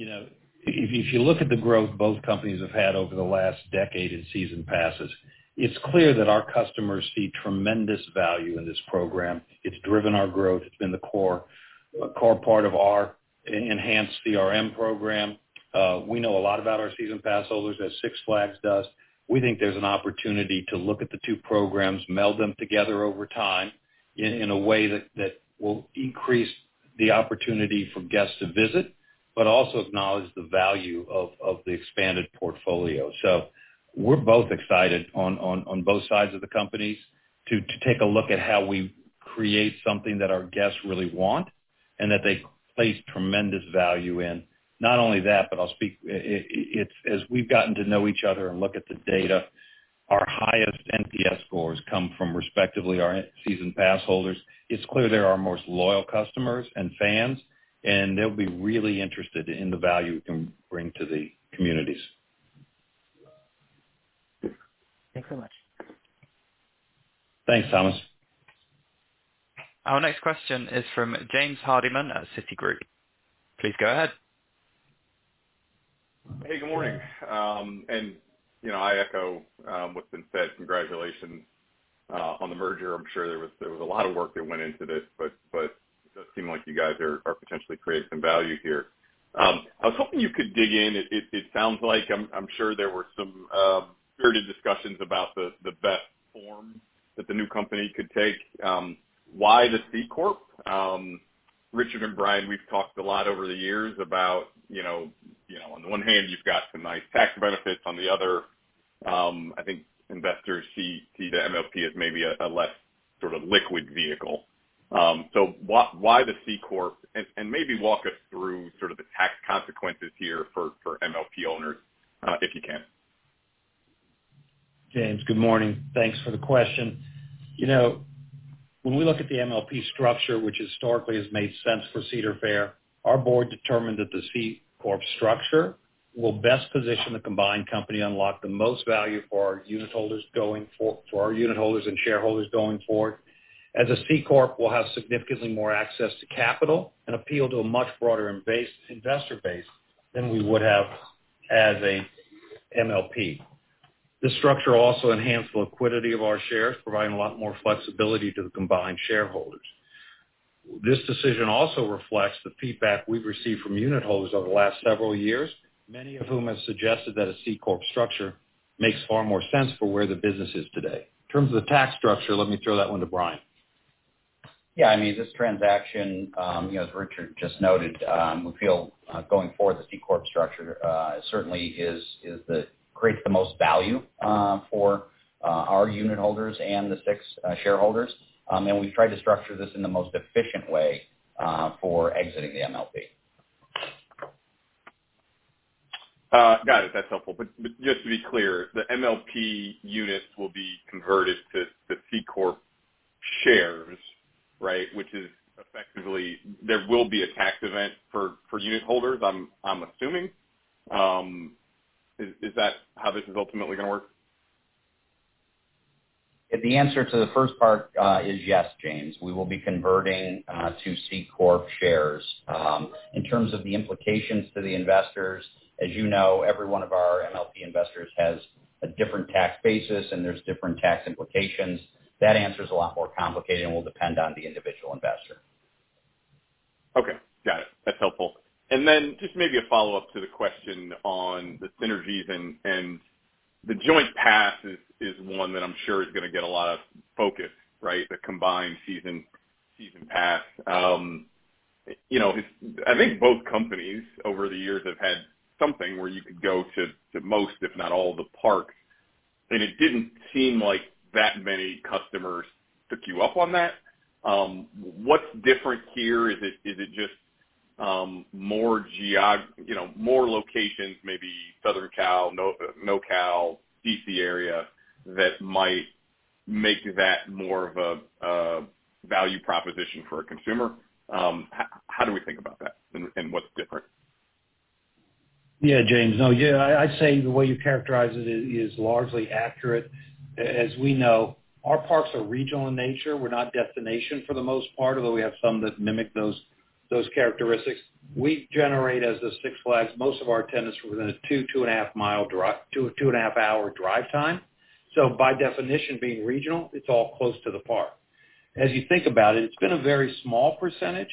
You know, if you look at the growth both companies have had over the last decade in season passes, it's clear that our customers see tremendous value in this program. It's driven our growth. It's been a core part of our enhanced CRM program. We know a lot about our season pass holders, as Six Flags does. We think there's an opportunity to look at the two programs, meld them together over time in a way that will increase the opportunity for guests to visit, but also acknowledge the value of the expanded portfolio. So we're both excited on both sides of the companies to take a look at how we create something that our guests really want and that they place tremendous value in. Not only that, but I'll speak, it's as we've gotten to know each other and look at the data, our highest NPS scores come from, respectively, our season pass holders. It's clear they're our most loyal customers and fans, and they'll be really interested in the value we can bring to the communities. Thanks so much. Thanks, Thomas. Our next question is from James Hardiman at Citigroup. Please go ahead. Hey, good morning. And, you know, I echo what's been said. Congratulations on the merger. I'm sure there was a lot of work that went into this, but it does seem like you guys are potentially creating some value here. I was hoping you could dig in. It sounds like I'm sure there were some period of discussions about the best form that the new company could take. Why the C corp? Richard and Brian, we've talked a lot over the years about, you know, on the one hand, you've got some nice tax benefits, on the other, I think investors see the MLP as maybe a less sort of liquid vehicle. So why the C corp? And maybe walk us through sort of the tax consequences here for MLP owners, if you can? James, good morning. Thanks for the question. You know, when we look at the MLP structure, which historically has made sense for Cedar Fair, our board determined that the C corp structure will best position the combined company, unlock the most value for our unitholders going forward for our unitholders and shareholders going forward. As a C corp, we'll have significantly more access to capital and appeal to a much broader base, investor base than we would have as a MLP. This structure will also enhance the liquidity of our shares, providing a lot more flexibility to the combined shareholders. This decision also reflects the feedback we've received from unitholders over the last several years, many of whom have suggested that a C corp structure makes far more sense for where the business is today. In terms of the tax structure, let me throw that one to Brian. Yeah, I mean, this transaction, you know, as Richard just noted, we feel, going forward, the C corp structure certainly creates the most value for our unitholders and the Six shareholders. And we've tried to structure this in the most efficient way for exiting the MLP. Got it. That's helpful. But just to be clear, the MLP units will be converted to C corp shares, right? Which is effectively. There will be a tax event for unitholders, I'm assuming. Is that how this is ultimately gonna work? The answer to the first part is yes, James. We will be converting to C corp shares. In terms of the implications to the investors, as you know, every one of our MLP investors has a different tax basis, and there's different tax implications. That answer is a lot more complicated and will depend on the individual investor. Okay, got it. That's helpful. And then just maybe a follow-up to the question on the synergies and the joint pass is one that I'm sure is gonna get a lot of focus, right? The combined season pass. You know, it's. I think both companies over the years have had something where you could go to most, if not all, the parks, and it didn't seem like that many customers took you up on that. What's different here? Is it just more, you know, more locations, maybe Southern Cal, North Cal, D.C. area, that might make that more of a value proposition for a consumer? How do we think about that, and what's different? Yeah, James. No, yeah, I'd say the way you characterize it is largely accurate. As we know, our parks are regional in nature. We're not destination for the most part, although we have some that mimic those characteristics. We generate, as does Six Flags, most of our attendance within a two-and-a-half-hour drive time. So by definition, being regional, it's all close to the park. As you think about it, it's been a very small percentage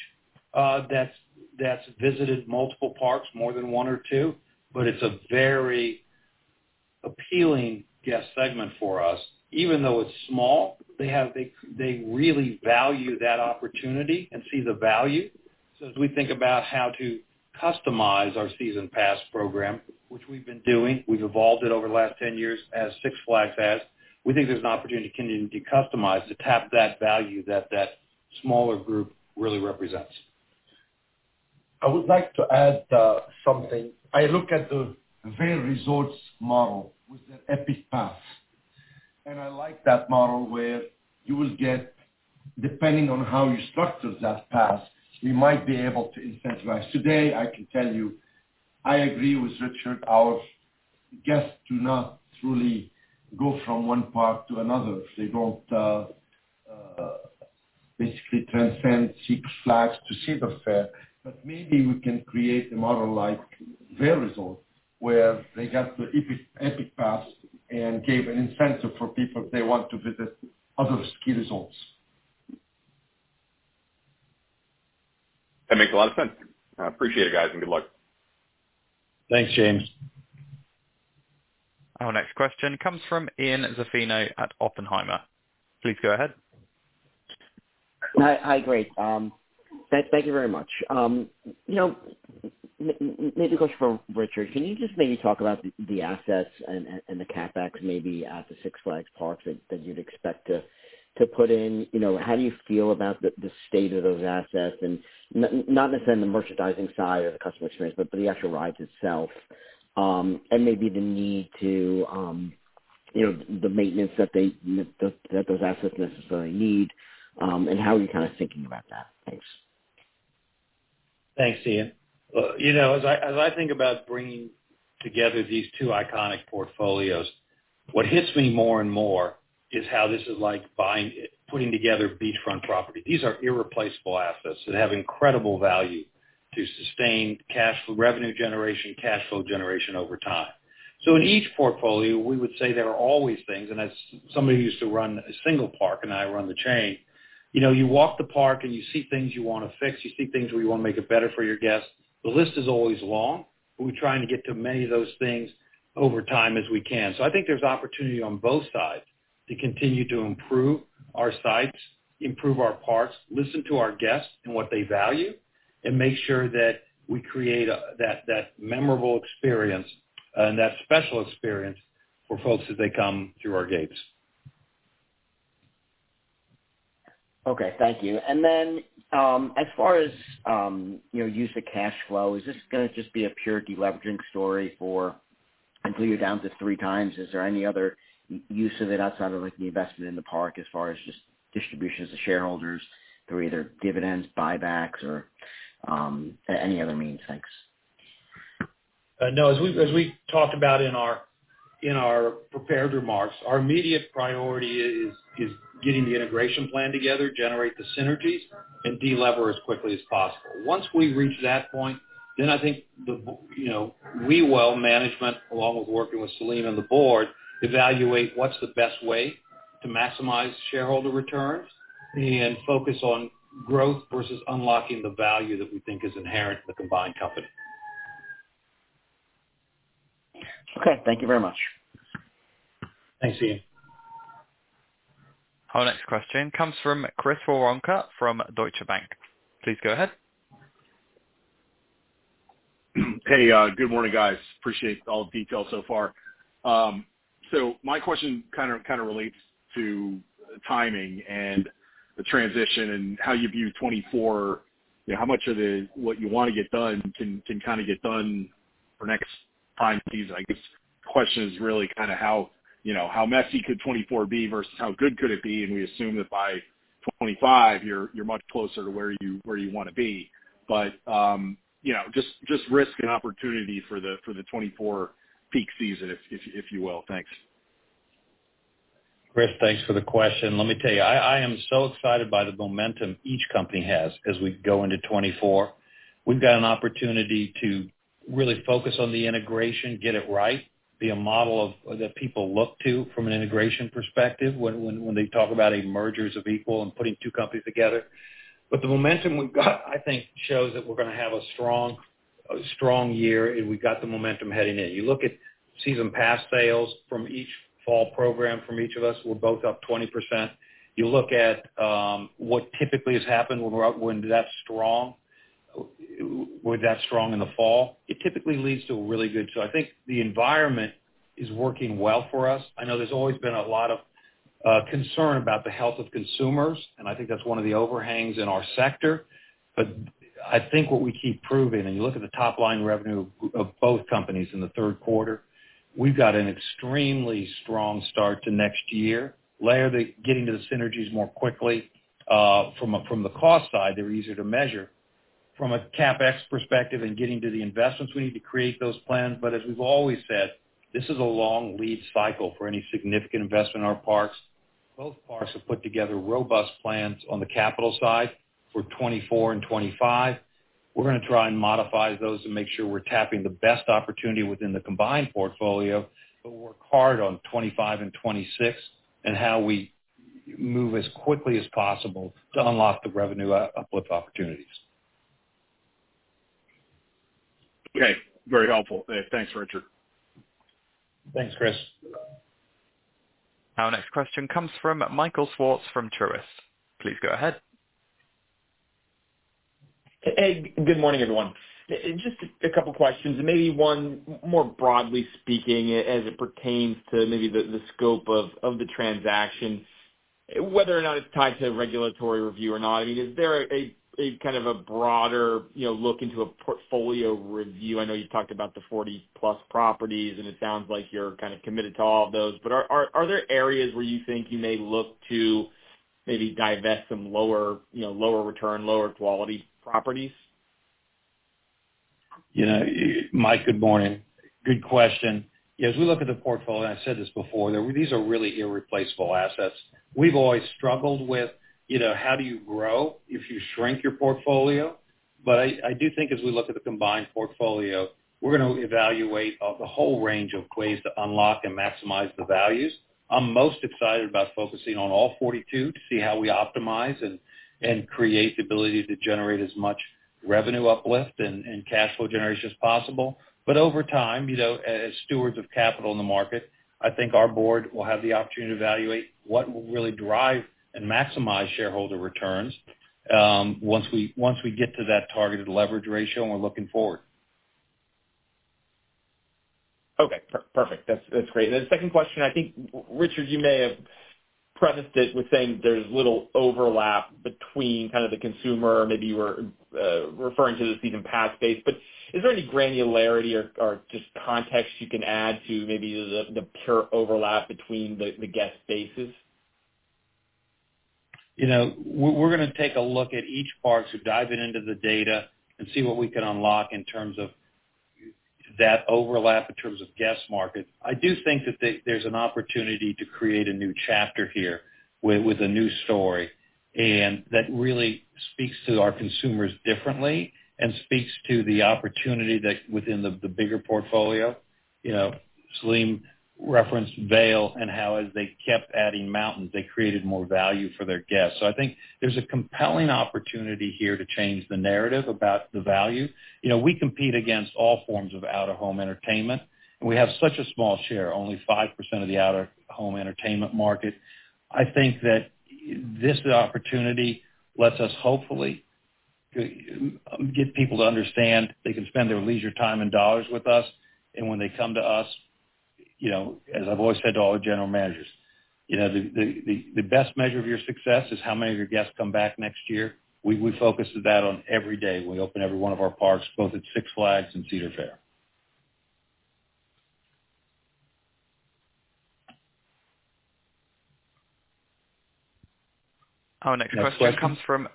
that's visited multiple parks, more than one or two, but it's a very appealing guest segment for us. Even though it's small, they really value that opportunity and see the value. So as we think about how to customize our season pass program, which we've been doing, we've evolved it over the last 10 years as Six Flags has, we think there's an opportunity to continue to customize, to tap that value that, that smaller group really represents. I would like to add something. I look at the Vail Resorts model with the Epic Pass, and I like that model where you will get, depending on how you structure that pass, we might be able to incentivize. Today, I can tell you, I agree with Richard, our guests do not truly go from one park to another. They don't basically transcend Six Flags to Cedar Fair, but maybe we can create a model like Vail Resorts, where they got the Epic, Epic Pass and gave an incentive for people if they want to visit other ski resorts. That makes a lot of sense. I appreciate it, guys, and good luck. Thanks, James. Our next question comes from Ian Zaffino at Oppenheimer. Please go ahead. Hi. Hi, great. Thank you very much. You know, maybe a question for Richard. Can you just maybe talk about the assets and the CapEx maybe at the Six Flags parks that you'd expect to put in? You know, how do you feel about the state of those assets and not necessarily on the merchandising side or the customer experience, but the actual rides itself, and maybe the need to, you know, the maintenance that they, that those assets necessarily need, and how are you kind of thinking about that? Thanks. Thanks, Ian. You know, as I, as I think about bringing together these two iconic portfolios, what hits me more and more is how this is like buying, putting together beachfront property. These are irreplaceable assets that have incredible value to sustain cash flow, revenue generation, cash flow generation over time. So in each portfolio, we would say there are always things, and as somebody who used to run a single park and I run the chain, you know, you walk the park and you see things you wanna fix, you see things where you wanna make it better for your guests. The list is always long, but we're trying to get to as many of those things over time as we can. I think there's opportunity on both sides to continue to improve our sites, improve our parks, listen to our guests and what they value, and make sure that we create that, that memorable experience and that special experience for folks as they come through our gates. Okay, thank you. And then, as far as, you know, use of cash flow, is this gonna just be a pure deleveraging story for until you're down to three times? Is there any other use of it outside of, like, the investment in the park as far as just distributions to shareholders through either dividends, buybacks or, any other means? Thanks. No, as we talked about in our prepared remarks, our immediate priority is getting the integration plan together, generate the synergies, and delever as quickly as possible. Once we reach that point, then I think, you know, we will, management, along with working with Selim and the board, evaluate what's the best way to maximize shareholder returns and focus on growth versus unlocking the value that we think is inherent in the combined company. Okay, thank you very much. Thanks, Ian. Our next question comes from Chris Woronka from Deutsche Bank. Please go ahead. Hey, good morning, guys. Appreciate all the details so far. So my question kind of, kind of relates to timing and the transition and how you view 2024. You know, how much of the, what you want to get done can, can kind of get done for next time season? I guess the question is really kind of how, you know, how messy could 2024 be versus how good could it be? We assume that by 2025, you're, you're much closer to where you, where you want to be. You know, just, just risk and opportunity for the, for the 2024 peak season, if, if, if you will. Thanks. Chris, thanks for the question. Let me tell you, I am so excited by the momentum each company has as we go into 2024. We've got an opportunity to really focus on the integration, get it right, be a model of that people look to from an integration perspective when they talk about a merger of equals and putting two companies together. But the momentum we've got, I think, shows that we're gonna have a strong year, and we've got the momentum heading in. You look at season pass sales from each fall program, from each of us, we're both up 20%. You look at what typically has happened when we're up, when that's strong in the fall, it typically leads to a really good. So I think the environment is working well for us. I know there's always been a lot of concern about the health of consumers, and I think that's one of the overhangs in our sector. But I think what we keep proving, and you look at the top line revenue of both companies in the third quarter, we've got an extremely strong start to next year. Layer getting to the synergies more quickly, from a, from the cost side, they're easier to measure. From a CapEx perspective and getting to the investments, we need to create those plans. But as we've always said, this is a long lead cycle for any significant investment in our parks. Both parks have put together robust plans on the capital side for 2024 and 2025. We're gonna try and modify those to make sure we're tapping the best opportunity within the combined portfolio, but work hard on 2025 and 2026, and how we move as quickly as possible to unlock the revenue uplift opportunities. Okay. Very helpful. Thanks, Richard. Thanks, Chris. Our next question comes from Michael Swartz, from Truist. Please go ahead. Hey, good morning, everyone. Just a couple questions, and maybe one more broadly speaking, as it pertains to maybe the scope of the transaction. Whether or not it's tied to regulatory review or not, I mean, is there a kind of a broader, you know, look into a portfolio review? I know you talked about the 40-plus properties, and it sounds like you're kind of committed to all of those, but are there areas where you think you may look to maybe divest some lower, you know, lower return, lower quality properties? You know, Michael, good morning. Good question. As we look at the portfolio, and I've said this before, these are really irreplaceable assets. We've always struggled with, you know, how do you grow if you shrink your portfolio? But I, I do think as we look at the combined portfolio, we're gonna evaluate the whole range of ways to unlock and maximize the values. I'm most excited about focusing on all 42 to see how we optimize and create the ability to generate as much revenue uplift and cash flow generation as possible. But over time, you know, as stewards of capital in the market, I think our board will have the opportunity to evaluate what will really drive and maximize shareholder returns, once we get to that targeted leverage ratio, and we're looking forward. Okay, perfect. That's, that's great. The second question, I think, Richard, you may have prefaced it with saying there's little overlap between kind of the consumer, maybe you were referring to the season pass base. But is there any granularity or just context you can add to maybe the pure overlap between the guest bases? You know, we're gonna take a look at each park, so diving into the data and see what we can unlock in terms of that overlap in terms of guest market. I do think that there's an opportunity to create a new chapter here with a new story, and that really speaks to our consumers differently and speaks to the opportunity that within the bigger portfolio. You know, Selim referenced Vail, and how as they kept adding mountains, they created more value for their guests. So I think there's a compelling opportunity here to change the narrative about the value. You know, we compete against all forms of out-of-home entertainment, and we have such a small share, only 5% of the out-of-home entertainment market. I think that this opportunity lets us hopefully get people to understand they can spend their leisure time and dollars with us. And when they come to us, you know, as I've always said to all our general managers, "You know, the best measure of your success is how many of your guests come back next year." We focus that on every day. We open every one of our parks, both at Six Flags and Cedar Fair. Our next question comes from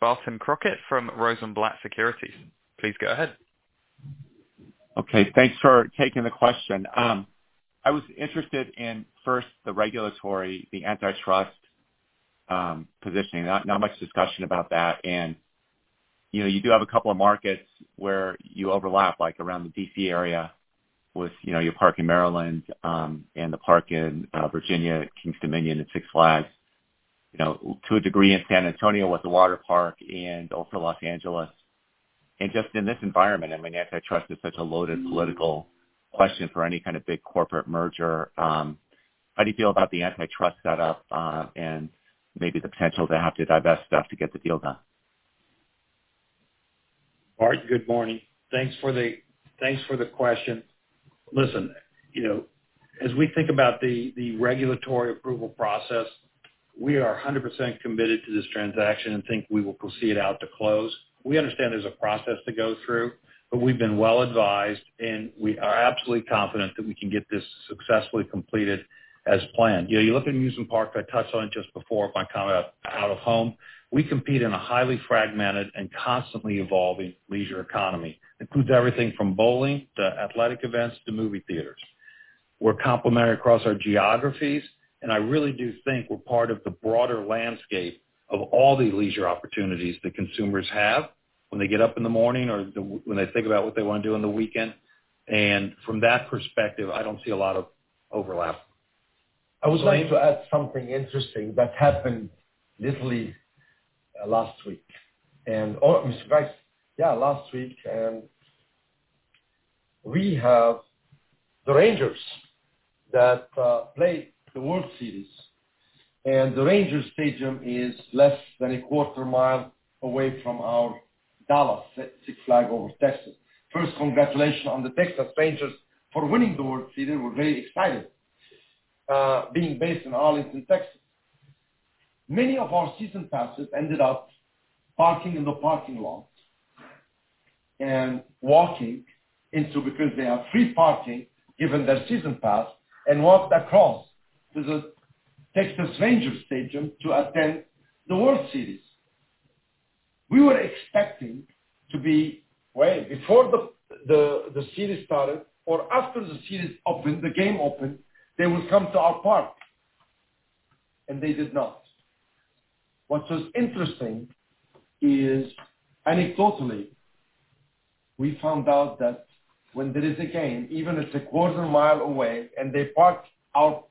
Barton Crockett, from Rosenblatt Securities. Please go ahead. Okay, thanks for taking the question. I was interested in, first, the regulatory, the antitrust, positioning, not much discussion about that. And, you know, you do have a couple of markets where you overlap, like around the D.C. area, with, you know, your park in Maryland, and the park in Virginia, Kings Dominion and Six Flags. You know, to a degree in San Antonio with the water park and also Los Angeles. And just in this environment, I mean, antitrust is such a loaded political question for any kind of big corporate merger. How do you feel about the antitrust setup, and maybe the potential to have to divest stuff to get the deal done? Barton, good morning. Thanks for the, thanks for the question. Listen, you know, as we think about the, the regulatory approval process, we are 100% committed to this transaction and think we will proceed out to close. We understand there's a process to go through, but we've been well advised, and we are absolutely confident that we can get this successfully completed as planned. You know, you look at amusement parks, I touched on it just before by coming up out of home. We compete in a highly fragmented and constantly evolving leisure economy. Includes everything from bowling, to athletic events, to movie theaters. We're complementary across our geographies, and I really do think we're part of the broader landscape of all the leisure opportunities that consumers have when they get up in the morning or when they think about what they want to do on the weekend. From that perspective, I don't see a lot of overlap. I would like to add something interesting that happened literally last week, and we have the Rangers that played the World Series, and the Rangers Stadium is less than a quarter mile away from our Dallas Six Flags Over Texas. First, congratulations on the Texas Rangers for winning the World Series. We're very excited being based in Arlington, Texas. Many of our season passes ended up parking in the parking lots and walking into, because they have free parking, given their season pass, and walked across to the Texas Rangers Stadium to attend the World Series. We were expecting to be way before the series started or after the series opened, the game opened, they would come to our park, and they did not. What was interesting is, anecdotally, we found out that when there is a game, even if it's a quarter mile away, and they parked, our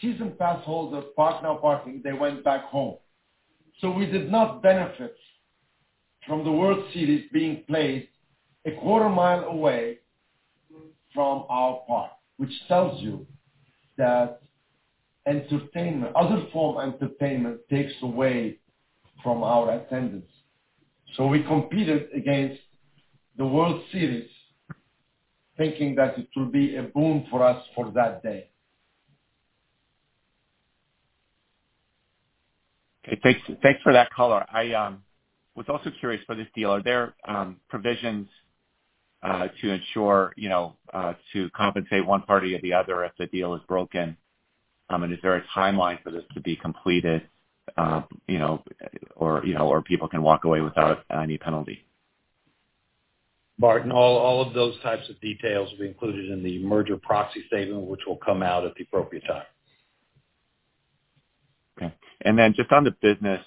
season pass holders park now parking, they went back home. So we did not benefit from the World Series being played a quarter mile away from our park, which tells you that entertainment, other form of entertainment takes away from our attendance. So we competed against the World Series, thinking that it would be a boon for us for that day. Okay, thanks, thanks for that color. I was also curious for this deal, are there provisions to ensure, you know, to compensate one party or the other if the deal is broken? And is there a timeline for this to be completed, you know, or people can walk away without any penalty? Martin, all of those types of details will be included in the merger proxy statement, which will come out at the appropriate time. Okay. And then just on the business,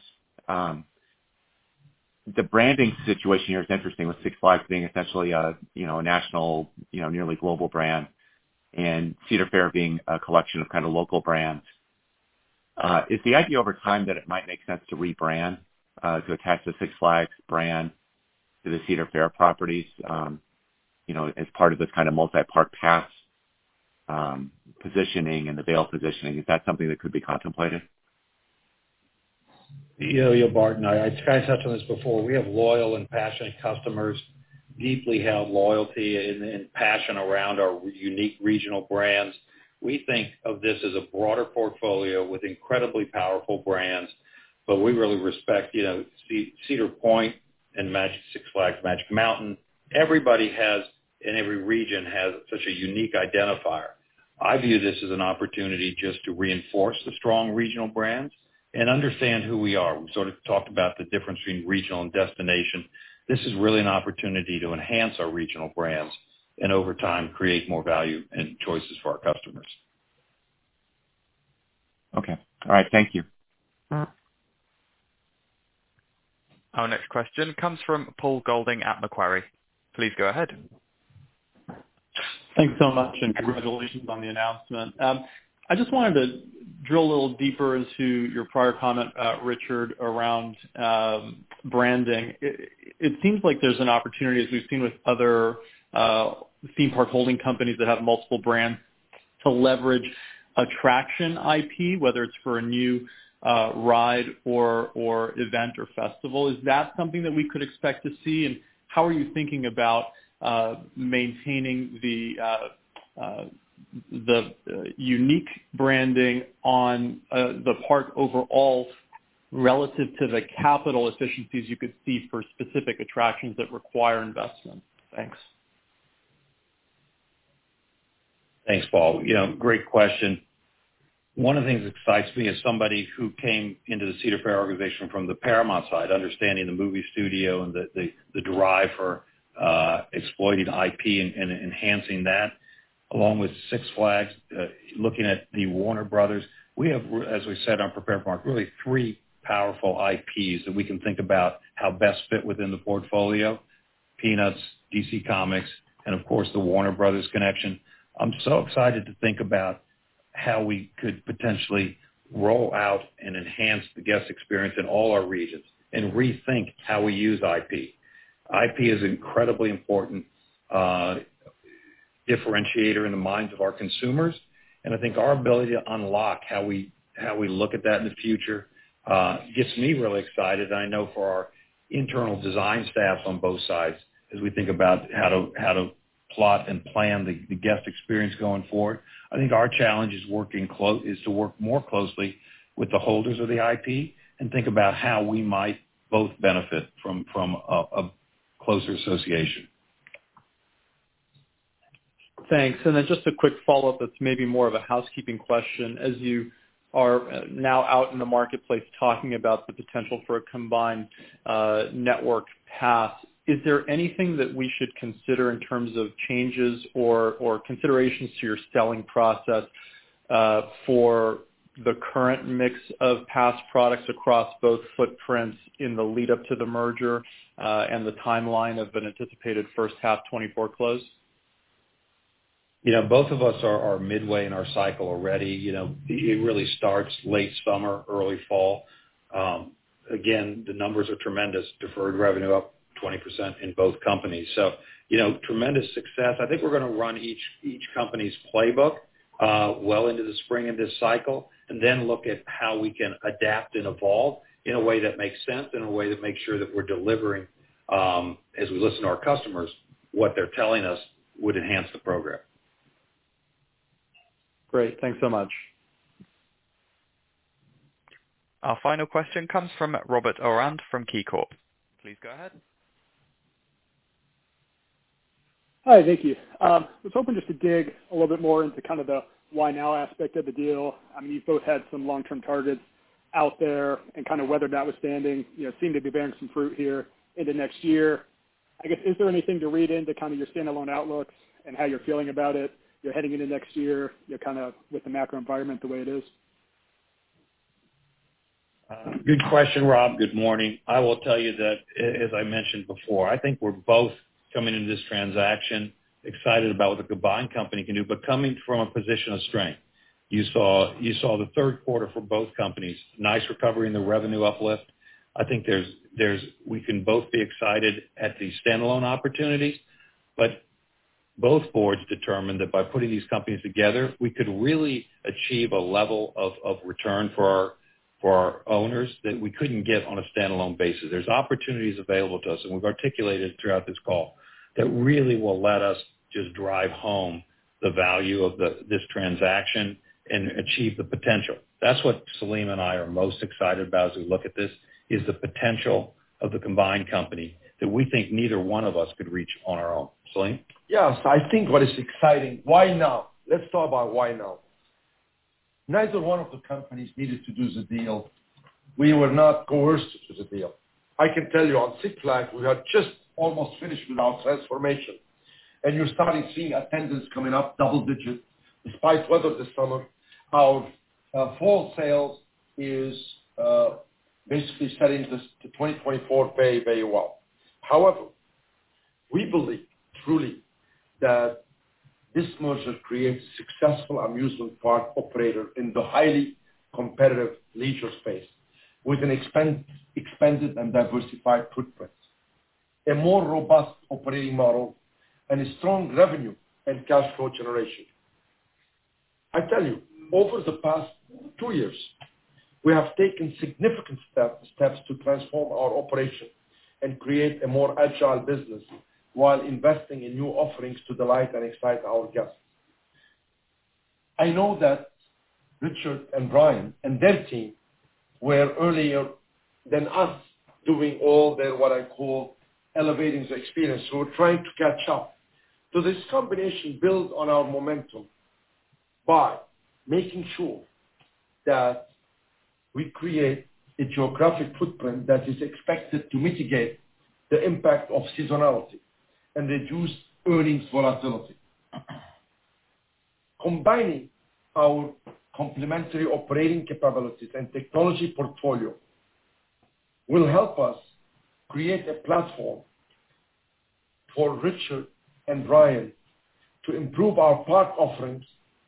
the branding situation here is interesting, with Six Flags being essentially a, you know, a national, you know, nearly global brand, and Cedar Fair being a collection of kind of local brands. Is the idea over time that it might make sense to rebrand, to attach the Six Flags brand to the Cedar Fair properties, you know, as part of this kind of multi-park pass, positioning and the Vail positioning? Is that something that could be contemplated? You know, Barton, I, I touched on this before. We have loyal and passionate customers, deeply held loyalty and, and passion around our unique regional brands. We think of this as a broader portfolio with incredibly powerful brands, but we really respect, you know, Cedar Point and Six Flags Magic Mountain. Everybody has, and every region has such a unique identifier. I view this as an opportunity just to reinforce the strong regional brands and understand who we are. We sort of talked about the difference between regional and destination. This is really an opportunity to enhance our regional brands, and over time, create more value and choices for our customers. Okay. All right, thank you. Our next question comes from Paul Golding at Macquarie. Please go ahead. Thanks so much, and congratulations on the announcement. I just wanted to drill a little deeper into your prior comment, Richard, around branding. It seems like there's an opportunity, as we've seen with other theme park holding companies that have multiple brands, to leverage attraction IP, whether it's for a new ride or event or festival. Is that something that we could expect to see? And how are you thinking about maintaining the unique branding on the park overall, relative to the capital efficiencies you could see for specific attractions that require investment? Thanks. Thanks, Paul. You know, great question. One of the things that excites me as somebody who came into the Cedar Fair organization from the Paramount side, understanding the movie studio and the drive for exploiting IP and enhancing that, along with Six Flags, looking at the Warner Brothers, we have, as we said on prepared remarks, really three powerful IPs that we can think about how best fit within the portfolio: Peanuts, DC Comics, and of course, the Warner Brothers connection. I'm so excited to think about how we could potentially roll out and enhance the guest experience in all our regions and rethink how we use IP. IP is an incredibly important differentiator in the minds of our consumers, and I think our ability to unlock how we look at that in the future gets me really excited. I know for our internal design staffs on both sides, as we think about how to plot and plan the guest experience going forward, I think our challenge is to work more closely with the holders of the IP and think about how we might both benefit from a closer association. Thanks. Then just a quick follow-up that's maybe more of a housekeeping question. As you are now out in the marketplace talking about the potential for a combined network pass, is there anything that we should consider in terms of changes or considerations to your selling process for the current mix of pass products across both footprints in the lead up to the merger and the timeline of an anticipated first half 2024 close? You know, both of us are midway in our cycle already. You know, it really starts late summer, early fall. Again, the numbers are tremendous. Deferred Revenue up 20% in both companies. So, you know, tremendous success. I think we're gonna run each company's playbook well into the spring of this cycle, and then look at how we can adapt and evolve in a way that makes sense, in a way that makes sure that we're delivering, as we listen to our customers, what they're telling us would enhance the program. Great. Thanks so much. Our final question comes from Robert Ohmes from KeyCorp. Please go ahead. Hi, thank you. I was hoping just to dig a little bit more into kind of the why now aspect of the deal. I mean, you've both had some long-term targets out there, and kind of whether that was standalone, you know, seem to be bearing some fruit here into next year. I guess, is there anything to read into kind of your standalone outlooks and how you're feeling about it? You're heading into next year, you're kind of with the macro environment the way it is. Good question, Robert. Good morning. I will tell you that, as I mentioned before, I think we're both coming into this transaction excited about what the combined company can do, but coming from a position of strength. You saw the third quarter for both companies, nice recovery in the revenue uplift. I think there's we can both be excited at the standalone opportunities, but both boards determined that by putting these companies together, we could really achieve a level of return for our owners that we couldn't get on a standalone basis. There's opportunities available to us, and we've articulated throughout this call, that really will let us just drive home the value of this transaction and achieve the potential. That's what Selim and I are most excited about as we look at this, is the potential of the combined company that we think neither one of us could reach on our own. Selim? Yes, I think what is exciting, why now? Let's talk about why now. Neither one of the companies needed to do the deal. We were not coerced to the deal. I can tell you on Six Flags, we are just almost finished with our transformation, and you're starting seeing attendance coming up double digits, despite weather this summer. Our fall sales is basically starting this, the 2024 very, very well. However, we believe truly that this merger creates a successful amusement park operator in the highly competitive leisure space, with an expanded and diversified footprint, a more robust operating model, and a strong revenue and cash flow generation. I tell you, over the past two years, we have taken significant steps to transform our operation and create a more agile business while investing in new offerings to delight and excite our guests. I know that Richard and Brian and their team were earlier than us doing all the, what I call, elevating the experience. So we're trying to catch up. So this combination builds on our momentum by making sure that we create a geographic footprint that is expected to mitigate the impact of seasonality and reduce earnings volatility. Combining our complementary operating capabilities and technology portfolio will help us create a platform for Richard and Brian to improve our park offerings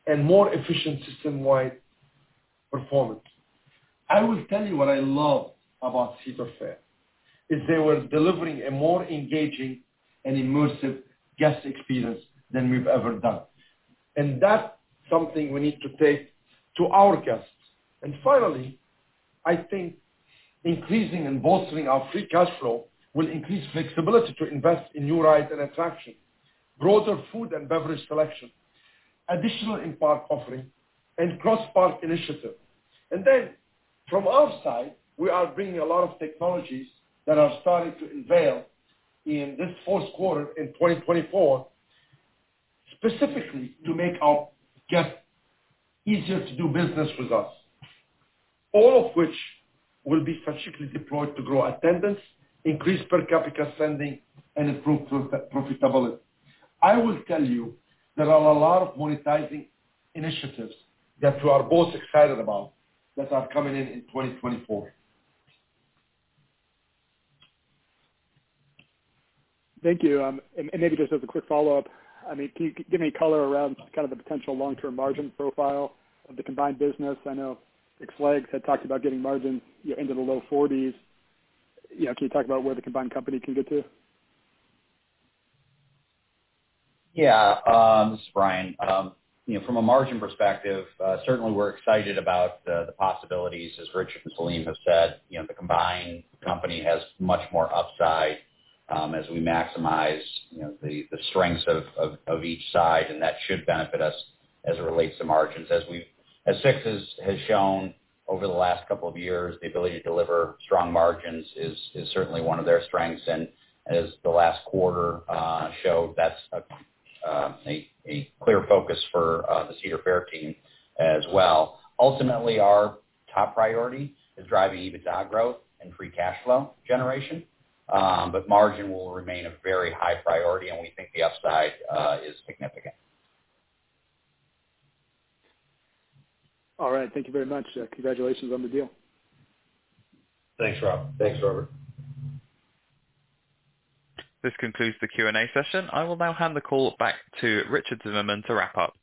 and more efficient system-wide performance. I will tell you what I love about Cedar Fair, is they were delivering a more engaging and immersive guest experience than we've ever done. And that's something we need to take to our guests. And finally, I think increasing and bolstering our free cash flow will increase flexibility to invest in new rides and attractions, broader food and beverage selection, additional in-park offerings, and cross-park initiatives. And then, from our side, we are bringing a lot of technologies that are starting to unveil in this fourth quarter in 2024, specifically to make our guests easier to do business with us. All of which will be strategically deployed to grow attendance, increase per capita spending, and improve profitability. I will tell you, there are a lot of monetizing initiatives that we are both excited about that are coming in, in 2024. Thank you. Maybe just as a quick follow-up, I mean, can you give me color around kind of the potential long-term margin profile of the combined business? I know Six Flags had talked about getting margin, you know, into the low 40s. You know, can you talk about where the combined company can get to? Yeah, this is Brian. You know, from a margin perspective, certainly we're excited about the possibilities. As Richard and Selim have said, you know, the combined company has much more upside, as we maximize, you know, the strengths of each side, and that should benefit us as it relates to margins. As Six has shown over the last couple of years, the ability to deliver strong margins is certainly one of their strengths, and as the last quarter showed, that's a clear focus for the Cedar Fair team as well. Ultimately, our top priority is driving EBITDA growth and free cash flow generation, but margin will remain a very high priority, and we think the upside is significant. All right. Thank you very much. Congratulations on the deal. Thanks, Robert. Thanks, Robert. This concludes the Q and A session. I will now hand the call back to Richard Zimmerman to wrap up.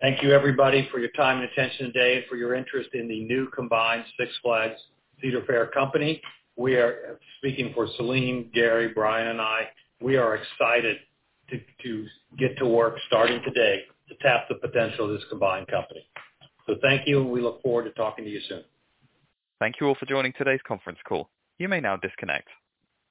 Thank you, everybody, for your time and attention today, and for your interest in the new combined Six Flags Cedar Fair company. We are speaking for Selim, Gary, Brian, and I. We are excited to get to work starting today to tap the potential of this combined company. So thank you, and we look forward to talking to you soon. Thank you all for joining today's conference call. You may now disconnect.